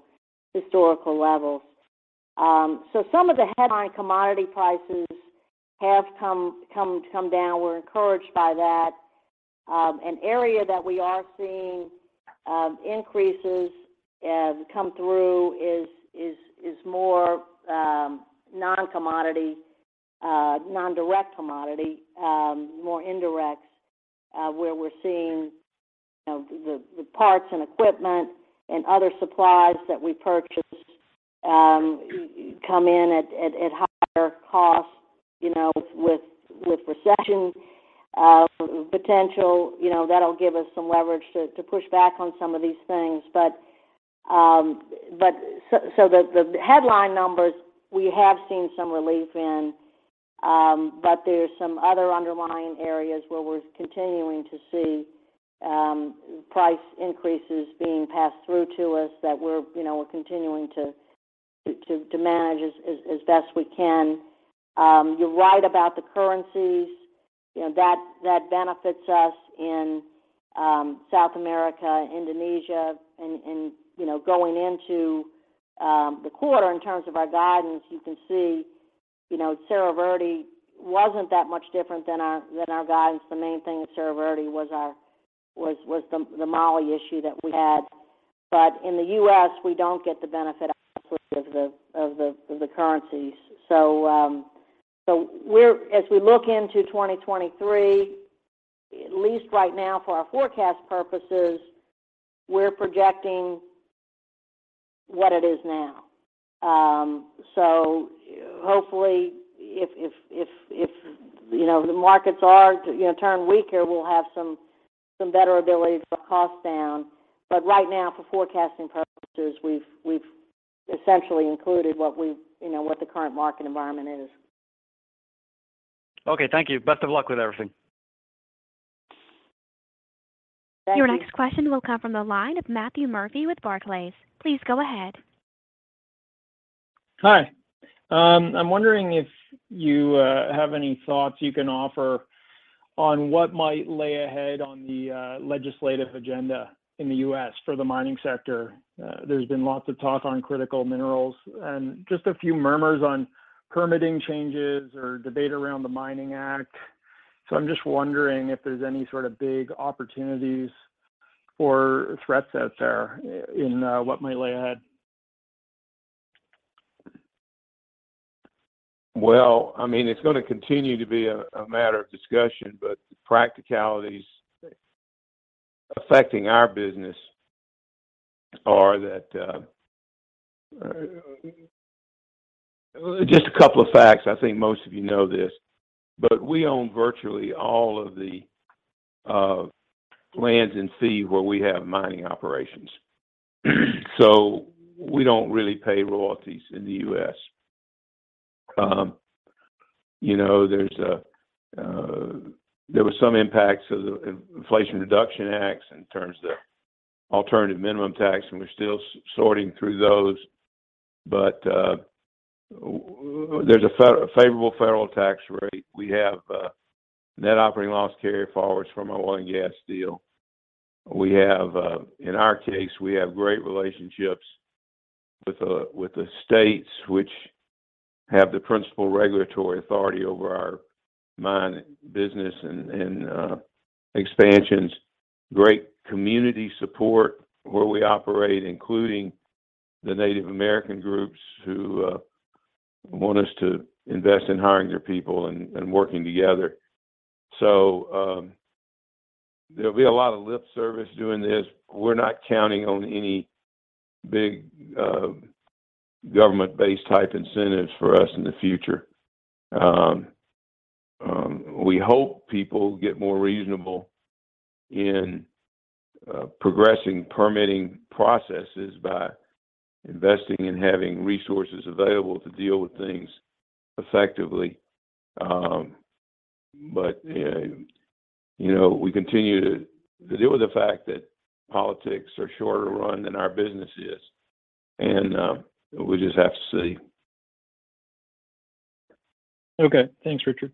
levels. Some of the headline commodity prices have come down. We're encouraged by that. An area that we are seeing increases come through is more non-commodity, non-direct commodity, more indirect, where we're seeing, you know, the parts and equipment and other supplies that we purchase come in at higher costs, you know, with recession potential. You know, that'll give us some leverage to push back on some of these things. The headline numbers we have seen some relief in, but there's some other underlying areas where we're continuing to see price increases being passed through to us that we're, you know, we're continuing to manage as best we can. You're right about the currencies. You know, that benefits us in South America, Indonesia, and, you know, going into the quarter in terms of our guidance, you can see, you know, Cerro Verde wasn't that much different than our guidance. The main thing at Cerro Verde was the moly issue that we had. In the U.S., we don't get the benefit of the currencies. As we look into 2023, at least right now for our forecast purposes, we're projecting what it is now. Hopefully if you know the markets turn weaker, we'll have some better ability to put costs down. Right now for forecasting purposes, we've essentially included what we, you know, what the current market environment is. Okay. Thank you. Best of luck with everything. Thank you. Your next question will come from the line of Matthew Murphy with Barclays. Please go ahead. Hi. I'm wondering if you have any thoughts you can offer on what might lay ahead on the legislative agenda in the U.S. for the mining sector. There's been lots of talk on critical minerals and just a few murmurs on permitting changes or debate around the Mining Act. I'm just wondering if there's any sort of big opportunities or threats out there in what might lay ahead. Well, I mean, it's gonna continue to be a matter of discussion, but the practicalities affecting our business are that just a couple of facts. I think most of you know this, but we own virtually all of the lands and leases where we have mining operations, so we don't really pay royalties in the U.S. You know, there were some impacts of the Inflation Reduction Act in terms of alternative minimum tax, and we're still sorting through those. But there's a favorable federal tax rate. We have net operating loss carryforwards from our oil and gas deal. We have, in our case, we have great relationships with the states which have the principal regulatory authority over our mine business and expansions. Great community support where we operate, including the Native American groups who want us to invest in hiring their people and working together. There'll be a lot of lip service doing this. We're not counting on any big government-based type incentives for us in the future. We hope people get more reasonable in progressing permitting processes by investing and having resources available to deal with things effectively. You know, we continue to deal with the fact that politics are shorter run than our business is. We'll just have to see. Okay. Thanks, Richard.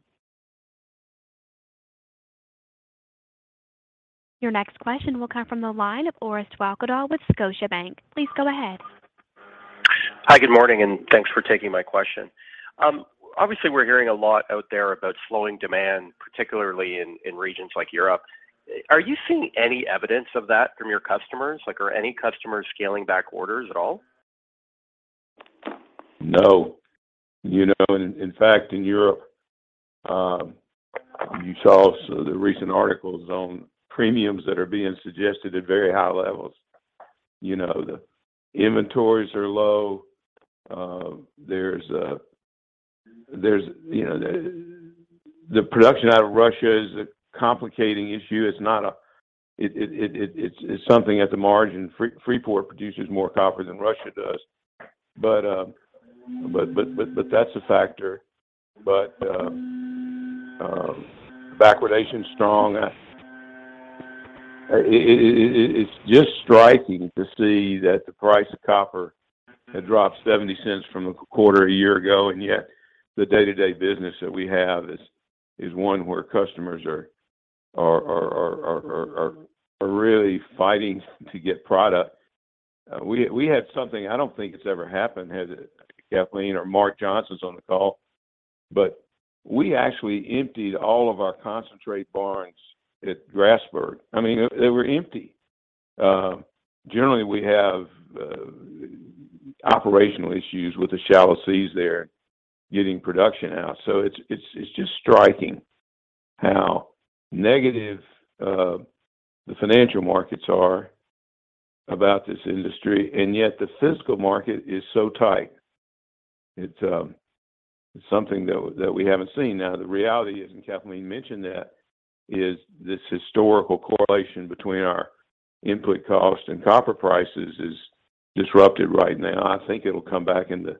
Your next question will come from the line of Orest Wowkodaw with Scotiabank. Please go ahead. Hi, good morning, and thanks for taking my question. Obviously we're hearing a lot out there about slowing demand, particularly in regions like Europe. Are you seeing any evidence of that from your customers? Like, are any customers scaling back orders at all? No. You know, in fact, in Europe, you saw the recent articles on premiums that are being suggested at very high levels. You know, the inventories are low. There's, you know, the production out of Russia is a complicating issue. It's not. It's something at the margin. Freeport produces more copper than Russia does, but that's a factor. Backwardation's strong. It's just striking to see that the price of copper had dropped $0.70 from a quarter a year ago, and yet the day-to-day business that we have is one where customers are really fighting to get product. We had something I don't think it's ever happened. Has it, Kathleen or Mark Johnson is on the call? We actually emptied all of our concentrate barns at Grasberg. I mean, they were empty. Generally we have operational issues with the shallow seas there getting production out. It's just striking how negative the financial markets are about this industry, and yet the physical market is so tight. It's something that we haven't seen. Now, the reality is, and Kathleen mentioned that, is this historical correlation between our input cost and copper prices is disrupted right now. I think it'll come back into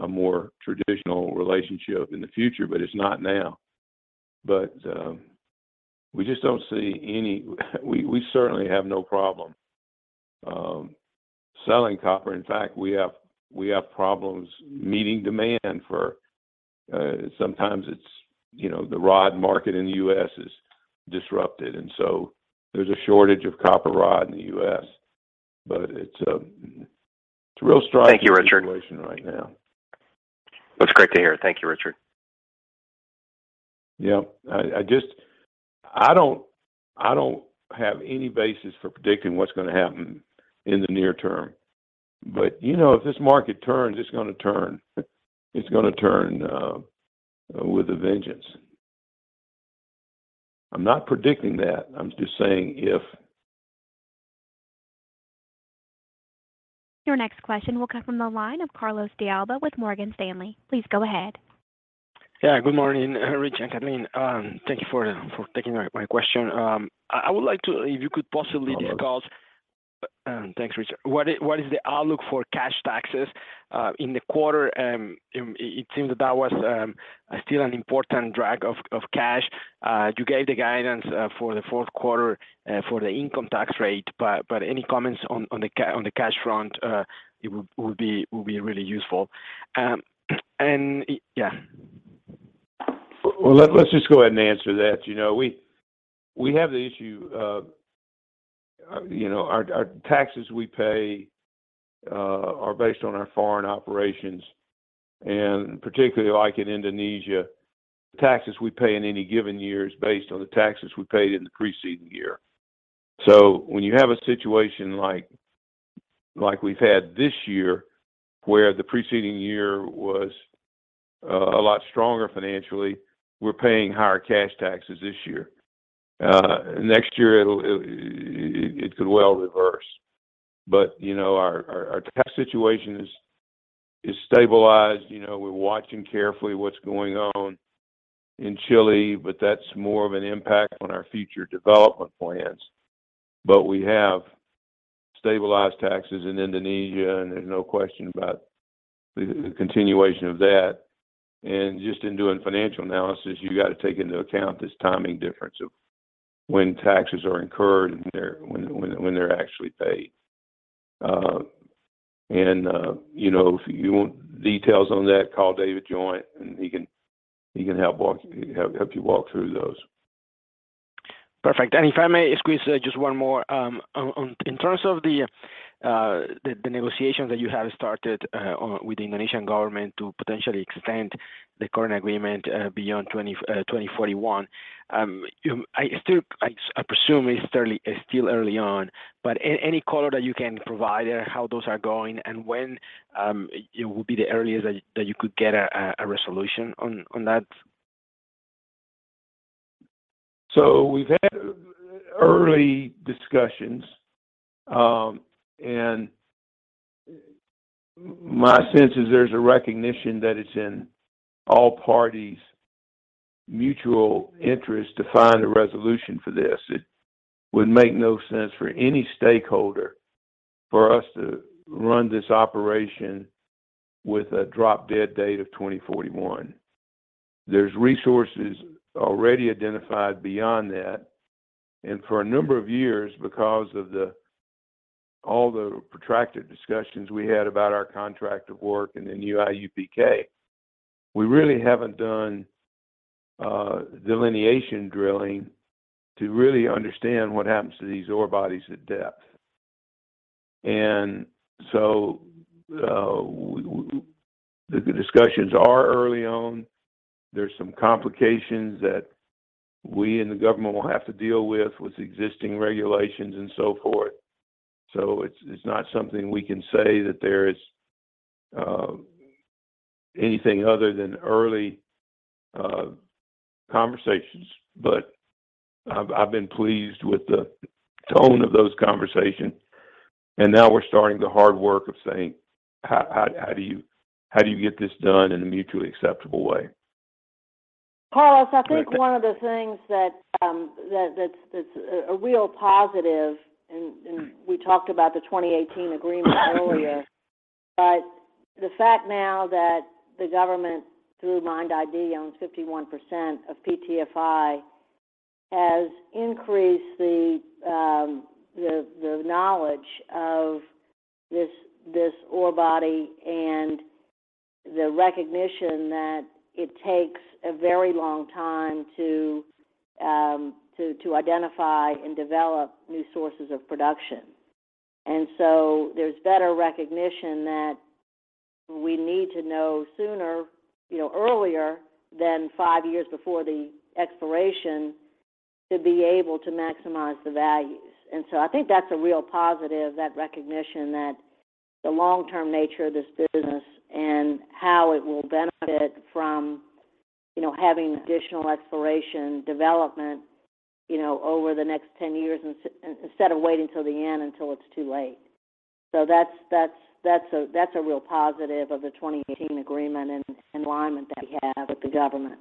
a more traditional relationship in the future, but it's not now. We just don't see any. We certainly have no problem selling copper. In fact, we have problems meeting demand for sometimes it's, you know, the rod market in the U.S. is disrupted, and so there's a shortage of copper rod in the U.S. But it's really striking. Thank you, Richard. Situation right now. That's great to hear. Thank you, Richard. Yeah. I don't have any basis for predicting what's gonna happen in the near term. You know, if this market turns, it's gonna turn with a vengeance. I'm not predicting that. I'm just saying, if Your next question will come from the line of Carlos de Alba with Morgan Stanley. Please go ahead. Yeah. Good morning, Rich and Kathleen. Thank you for taking my question. I would like to, if you could possibly discuss. Thanks, Richard. What is the outlook for cash taxes in the quarter? It seems that was still an important drag of cash. You gave the guidance for the fourth quarter for the income tax rate, but any comments on the cash front would be really useful. Yeah. Well, let's just go ahead and answer that. You know, we have the issue of, you know, our taxes we pay are based on our foreign operations, and particularly like in Indonesia, the taxes we pay in any given year is based on the taxes we paid in the preceding year. When you have a situation like we've had this year, where the preceding year was a lot stronger financially, we're paying higher cash taxes this year. Next year it could well reverse. Our tax situation is stabilized. You know, we're watching carefully what's going on in Chile, but that's more of an impact on our future development plans. We have stabilized taxes in Indonesia, and there's no question about the continuation of that. Just in doing financial analysis, you got to take into account this timing difference of when taxes are incurred and when they're actually paid. You know, if you want details on that, call David Joint, and he can help you walk through those. Perfect. If I may squeeze just one more. In terms of the negotiations that you have started with the Indonesian government to potentially extend the current agreement beyond 2041. I presume it's still early on, but any color that you can provide how those are going and when it would be the earliest that you could get a resolution on that? We've had early discussions, and my sense is there's a recognition that it's in all parties' mutual interest to find a resolution for this. It would make no sense for any stakeholder for us to run this operation with a drop-dead date of 2041. There's resources already identified beyond that. For a number of years, because of all the protracted discussions we had about our Contract of Work and then IUPK, we really haven't done delineation drilling to really understand what happens to these ore bodies at depth. The discussions are early on. There's some complications that we and the government will have to deal with existing regulations and so forth. It's not something we can say that there is anything other than early conversations. I've been pleased with the tone of those conversations. Now we're starting the hard work of saying, how do you get this done in a mutually acceptable way? Carlos, I think one of the things that that's a real positive, and we talked about the 2018 agreement earlier, but the fact now that the government, through MIND ID, owns 51% of PTFI has increased the knowledge of this ore body and the recognition that it takes a very long time to identify and develop new sources of production. There's better recognition that we need to know earlier than five years before the expiration to be able to maximize the values. I think that's a real positive, that recognition that the long-term nature of this business and how it will benefit from having additional exploration development over the next 10 years instead of waiting till the end until it's too late. That's a real positive of the 2018 agreement and alignment that we have with the government.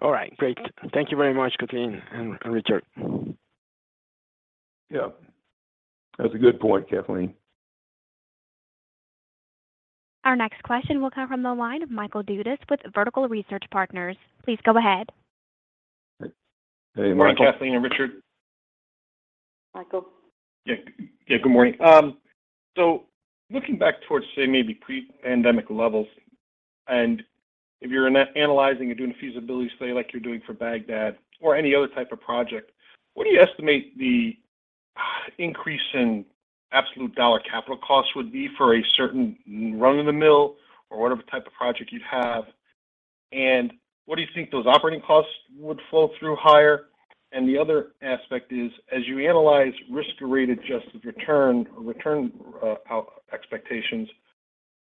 All right. Great. Thank you very much, Kathleen and Richard. Yeah. That's a good point, Kathleen. Our next question will come from the line of Michael Dudas with Vertical Research Partners. Please go ahead. Hey, Michael. Good morning, Kathleen and Richard. Michael. Yeah. Yeah, good morning. Looking back towards, say, maybe pre-pandemic levels, and if you're analyzing or doing a feasibility study like you're doing for Bagdad or any other type of project, what do you estimate the increase in absolute dollar capital costs would be for a certain run-of-the-mill or whatever type of project you'd have? What do you think those operating costs would flow through higher? The other aspect is, as you analyze risk-adjusted return or return expectations,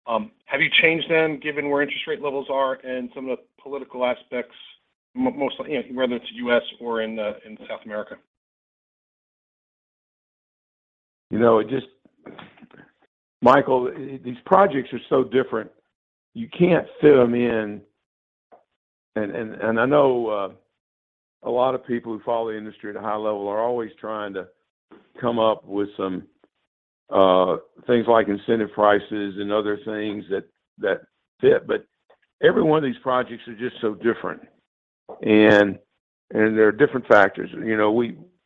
have you changed them given where interest rate levels are and some of the political aspects, most whether it's U.S. or in South America? Michael, these projects are so different. You can't fit them in. I know a lot of people who follow the industry at a high level are always trying to come up with some things like incentive prices and other things that fit. Every one of these projects are just so different. There are different factors.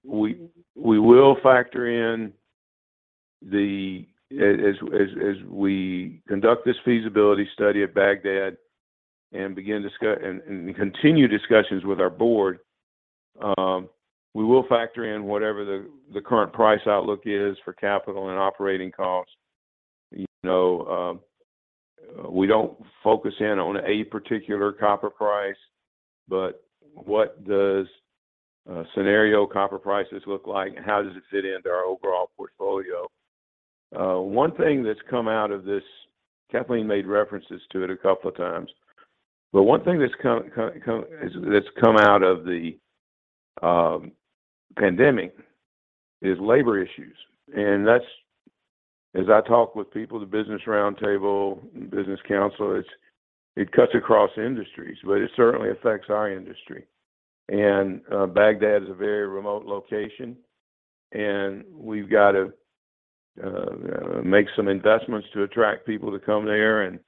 We will factor in as we conduct this feasibility study at Bagdad and begin and continue discussions with our board. We will factor in whatever the current price outlook is for capital and operating costs. We don't focus in on a particular copper price, but what does scenario copper prices look like, and how does it fit into our overall portfolio? One thing that's come out of this. Kathleen made references to it a couple of times, but one thing that's come out of the pandemic is labor issues, and that's. As I talk with people, the Business Roundtable, Business Council, it cuts across industries, but it certainly affects our industry. Bagdad is a very remote location, and we've got to make some investments to attract people to come there and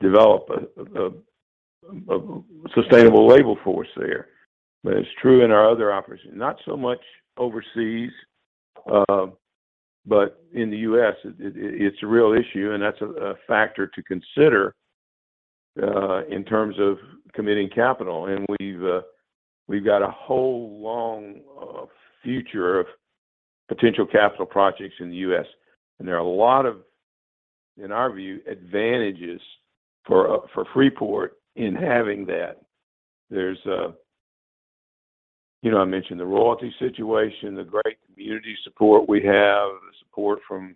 develop a sustainable labor force there. It's true in our other operations, not so much overseas, but in the U.S., it's a real issue, and that's a factor to consider in terms of committing capital. We've got a whole long future of potential capital projects in the U.S. There are a lot of, in our view, advantages for Freeport in having that. I mentioned the royalty situation, the great community support we have, the support from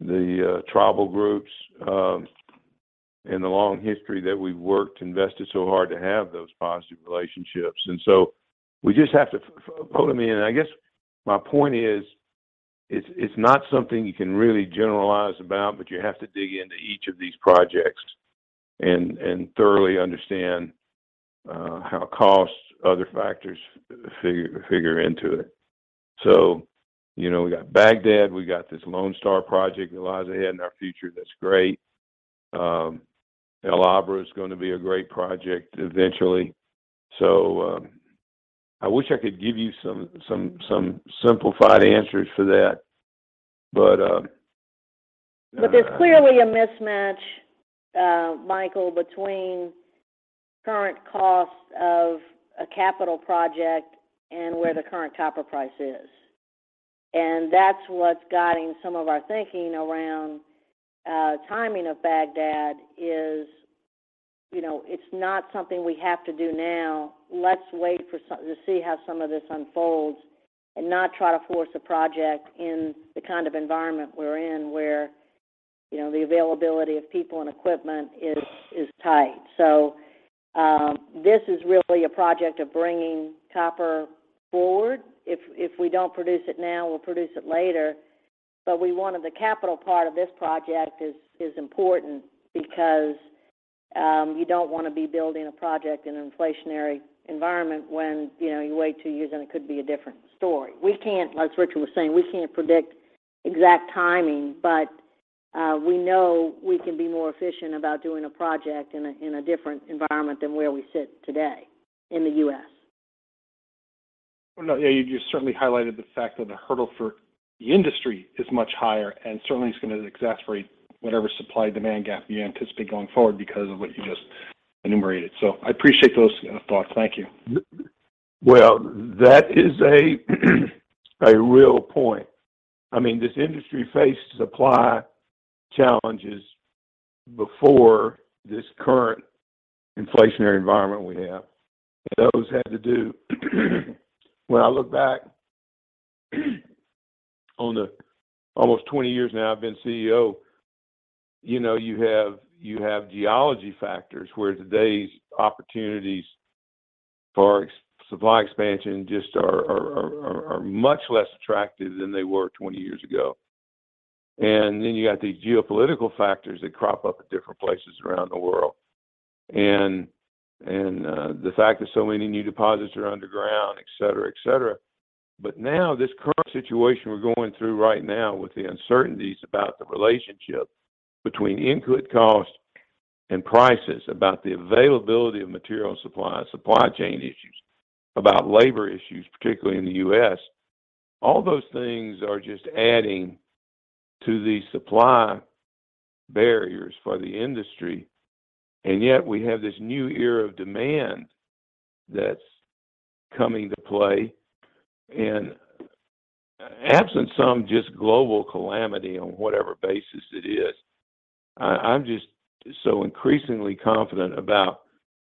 the, tribal groups, and the long history that we've worked, invested so hard to have those positive relationships. We just have to fold them in. I guess my point is, it's not something you can really generalize about, but you have to dig into each of these projects and thoroughly understand how costs, other factors figure into it. We got Bagdad, we got this Lone Star project that lies ahead in our future that's great. El Abra is gonna be a great project eventually. I wish I could give you some simplified answers for that. There's clearly a mismatch, Michael, between current costs of a capital project and where the current copper price is. That's what's guiding some of our thinking around timing of Bagdad. It's not something we have to do now. Let's wait to see how some of this unfolds and not try to force a project in the kind of environment we're in, where the availability of people and equipment is tight. This is really a project of bringing copper forward. If we don't produce it now, we'll produce it later. We wanted the capital part of this project is important because you don't wanna be building a project in an inflationary environment when, you wait two years, and it could be a different story. We can't, as Richard was saying, we can't predict exact timing, but we know we can be more efficient about doing a project in a different environment than where we sit today in the U.S. No, you certainly highlighted the fact that the hurdle for the industry is much higher and certainly is gonna exacerbate whatever supply-demand gap you anticipate going forward because of what you just enumerated. I appreciate those thoughts. Thank you. Well, that is a real point. I mean, this industry faced supply challenges before this current inflationary environment we have. Those had to do, when I look back on the almost 20 years now I've been CEO, you have geology factors where today's opportunities for ex-supply expansion just are much less attractive than they were 20 years ago. Then you got these geopolitical factors that crop up at different places around the world. The fact that so many new deposits are underground, et cetera. Now this current situation we're going through right now with the uncertainties about the relationship between input costs and prices, about the availability of material supply and supply chain issues, about labor issues, particularly in the U.S., all those things are just adding to the supply barriers for the industry. Yet we have this new era of demand that's coming to play. Absent some just global calamity on whatever basis it is, I'm just so increasingly confident about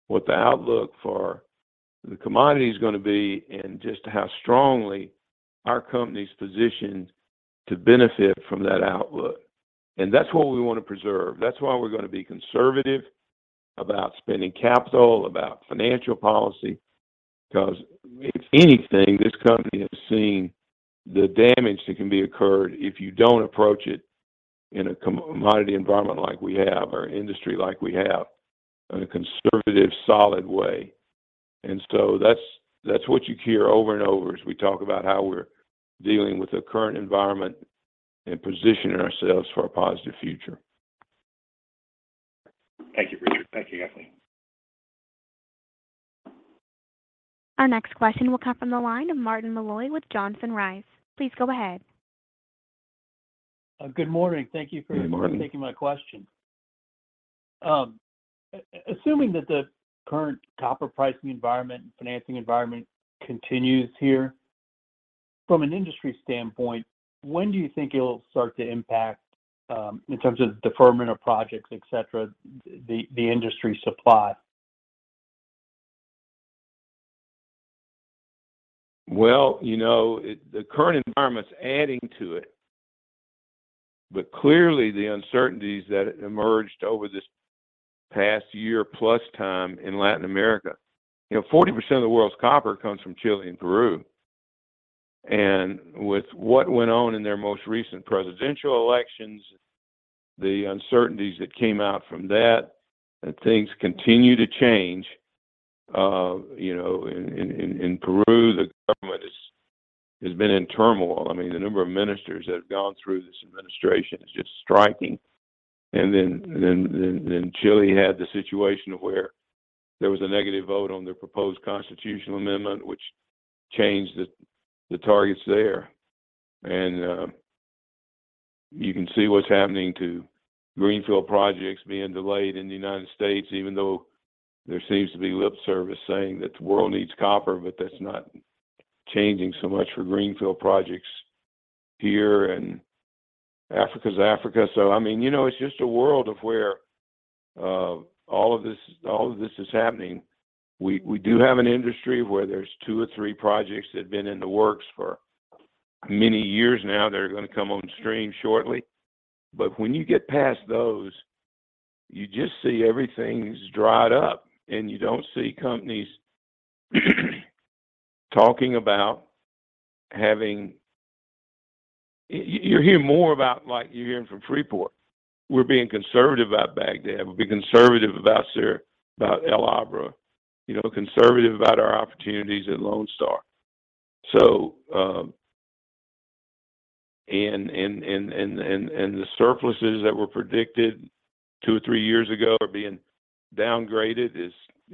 what the outlook for the commodity is gonna be and just how strongly our company's positioned to benefit from that outlook. That's what we wanna preserve. That's why we're gonna be conservative about spending capital, about financial policy, 'cause if anything, this company has seen the damage that can be occurred if you don't approach it in a commodity environment like we have or industry like we have in a conservative, solid way. That's what you hear over and over as we talk about how we're dealing with the current environment and positioning ourselves for a positive future. Thank you, Richard. Thank you, Kathleen. Our next question will come from the line of Martin Malloy with Johnson Rice & Company. Please go ahead. Good morning. Good morning. Assuming that the current copper pricing environment and financing environment continues here, from an industry standpoint, when do you think it'll start to impact in terms of deferment of projects, et cetera, the industry supply? Well, the current environment's adding to it. Clearly, the uncertainties that emerged over this past year plus time in Latin America. 40% of the world's copper comes from Chile and Peru. With what went on in their most recent presidential elections, the uncertainties that came out from that, and things continue to change. In Peru, the government has been in turmoil. I mean, the number of ministers that have gone through this administration is just striking. Then Chile had the situation where there was a negative vote on their proposed constitutional amendment, which changed the targets there. You can see what's happening to greenfield projects being delayed in the United States, even though there seems to be lip service saying that the world needs copper, but that's not changing so much for greenfield projects here. Africa's Africa. I mean, it's just a world of where all of this is happening. We do have an industry where there's two or three projects that have been in the works for many years now. They're gonna come on stream shortly. But when you get past those, you just see everything's dried up, and you don't see companies talking about having. You're hearing more about like you're hearing from Freeport. We're being conservative about Bagdad. We're being conservative about El Abra. Conservative about our opportunities at Lone Star. The surpluses that were predicted two or three years ago are being downgraded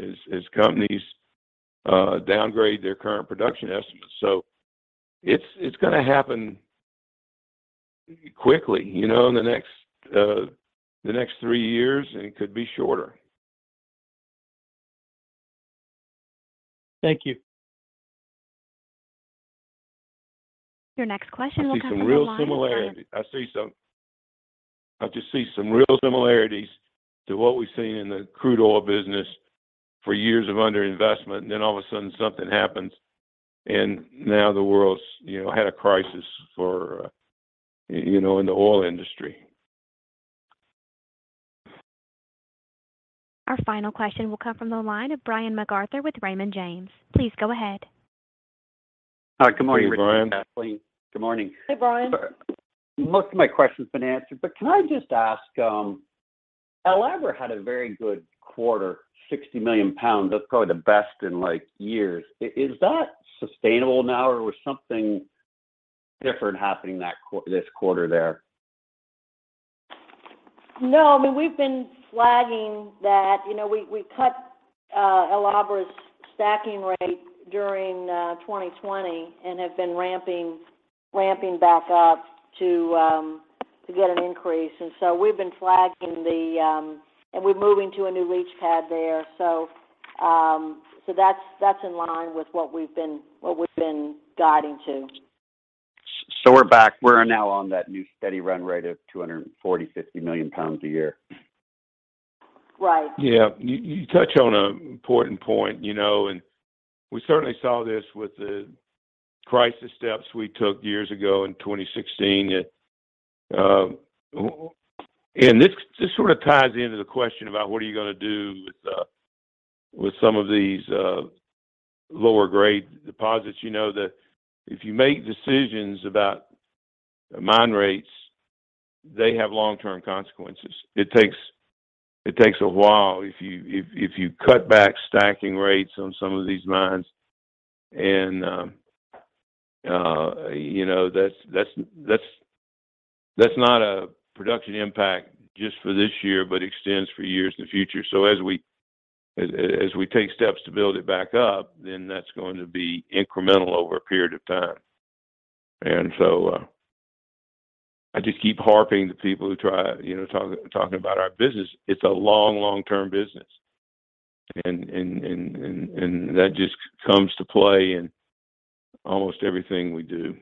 as companies downgrade their current production estimates. It's gonna happen quickly in the next three years, and it could be shorter. Thank you. I see some real similarities to what we've seen in the crude oil business for years of underinvestment, and then all of a sudden something happens, and now the world's had a crisis in the oil industry. Our final question will come from the line of Brian MacArthur with Raymond James. Please go ahead. Hi. Good morning, Rick and Kathleen. Good morning, Brian. Good morning. Hey, Brian. Most of my question's been answered, but can I just ask, El Abra had a very good quarter, 60 million pounds. That's probably the best in, like, years. Is that sustainable now, or was something different happening this quarter there? No. I mean, we've been flagging that. We cut El Abra's stacking rate during 2020 and have been ramping back up to get an increase. We're moving to a new leach pad there. That's in line with what we've been guiding to. We're back. We're now on that new steady run rate of 240 million-250 million pounds a year. Right. Yeah. You touch on an important point. We certainly saw this with the crisis steps we took years ago in 2016. This sort of ties into the question about what are you gonna do with some of these lower grade deposits. If you make decisions about mine rates, they have long-term consequences. It takes a while. If you cut back stacking rates on some of these mines, and that's not a production impact just for this year but extends for years in the future. As we take steps to build it back up, then that's going to be incremental over a period of time. I just keep harping to people who try talking about our business. It's a long-term business and that just comes to play in almost everything we do.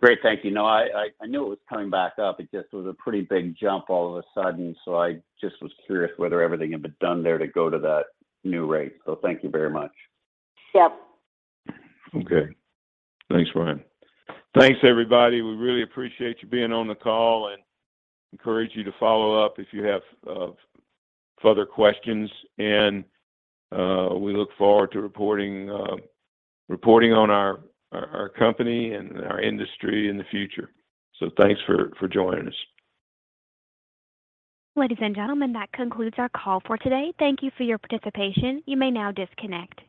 Great. Thank you. No, I knew it was coming back up. It just was a pretty big jump all of a sudden, so I just was curious whether everything had been done there to go to that new rate. So thank you very much. Yep. Okay. Thanks, Brian. Thanks, everybody. We really appreciate you being on the call and encourage you to follow up if you have further questions. We look forward to reporting on our company and our industry in the future. Thanks for joining us. Ladies and gentlemen, that concludes our call for today. Thank you for your participation. You may now disconnect.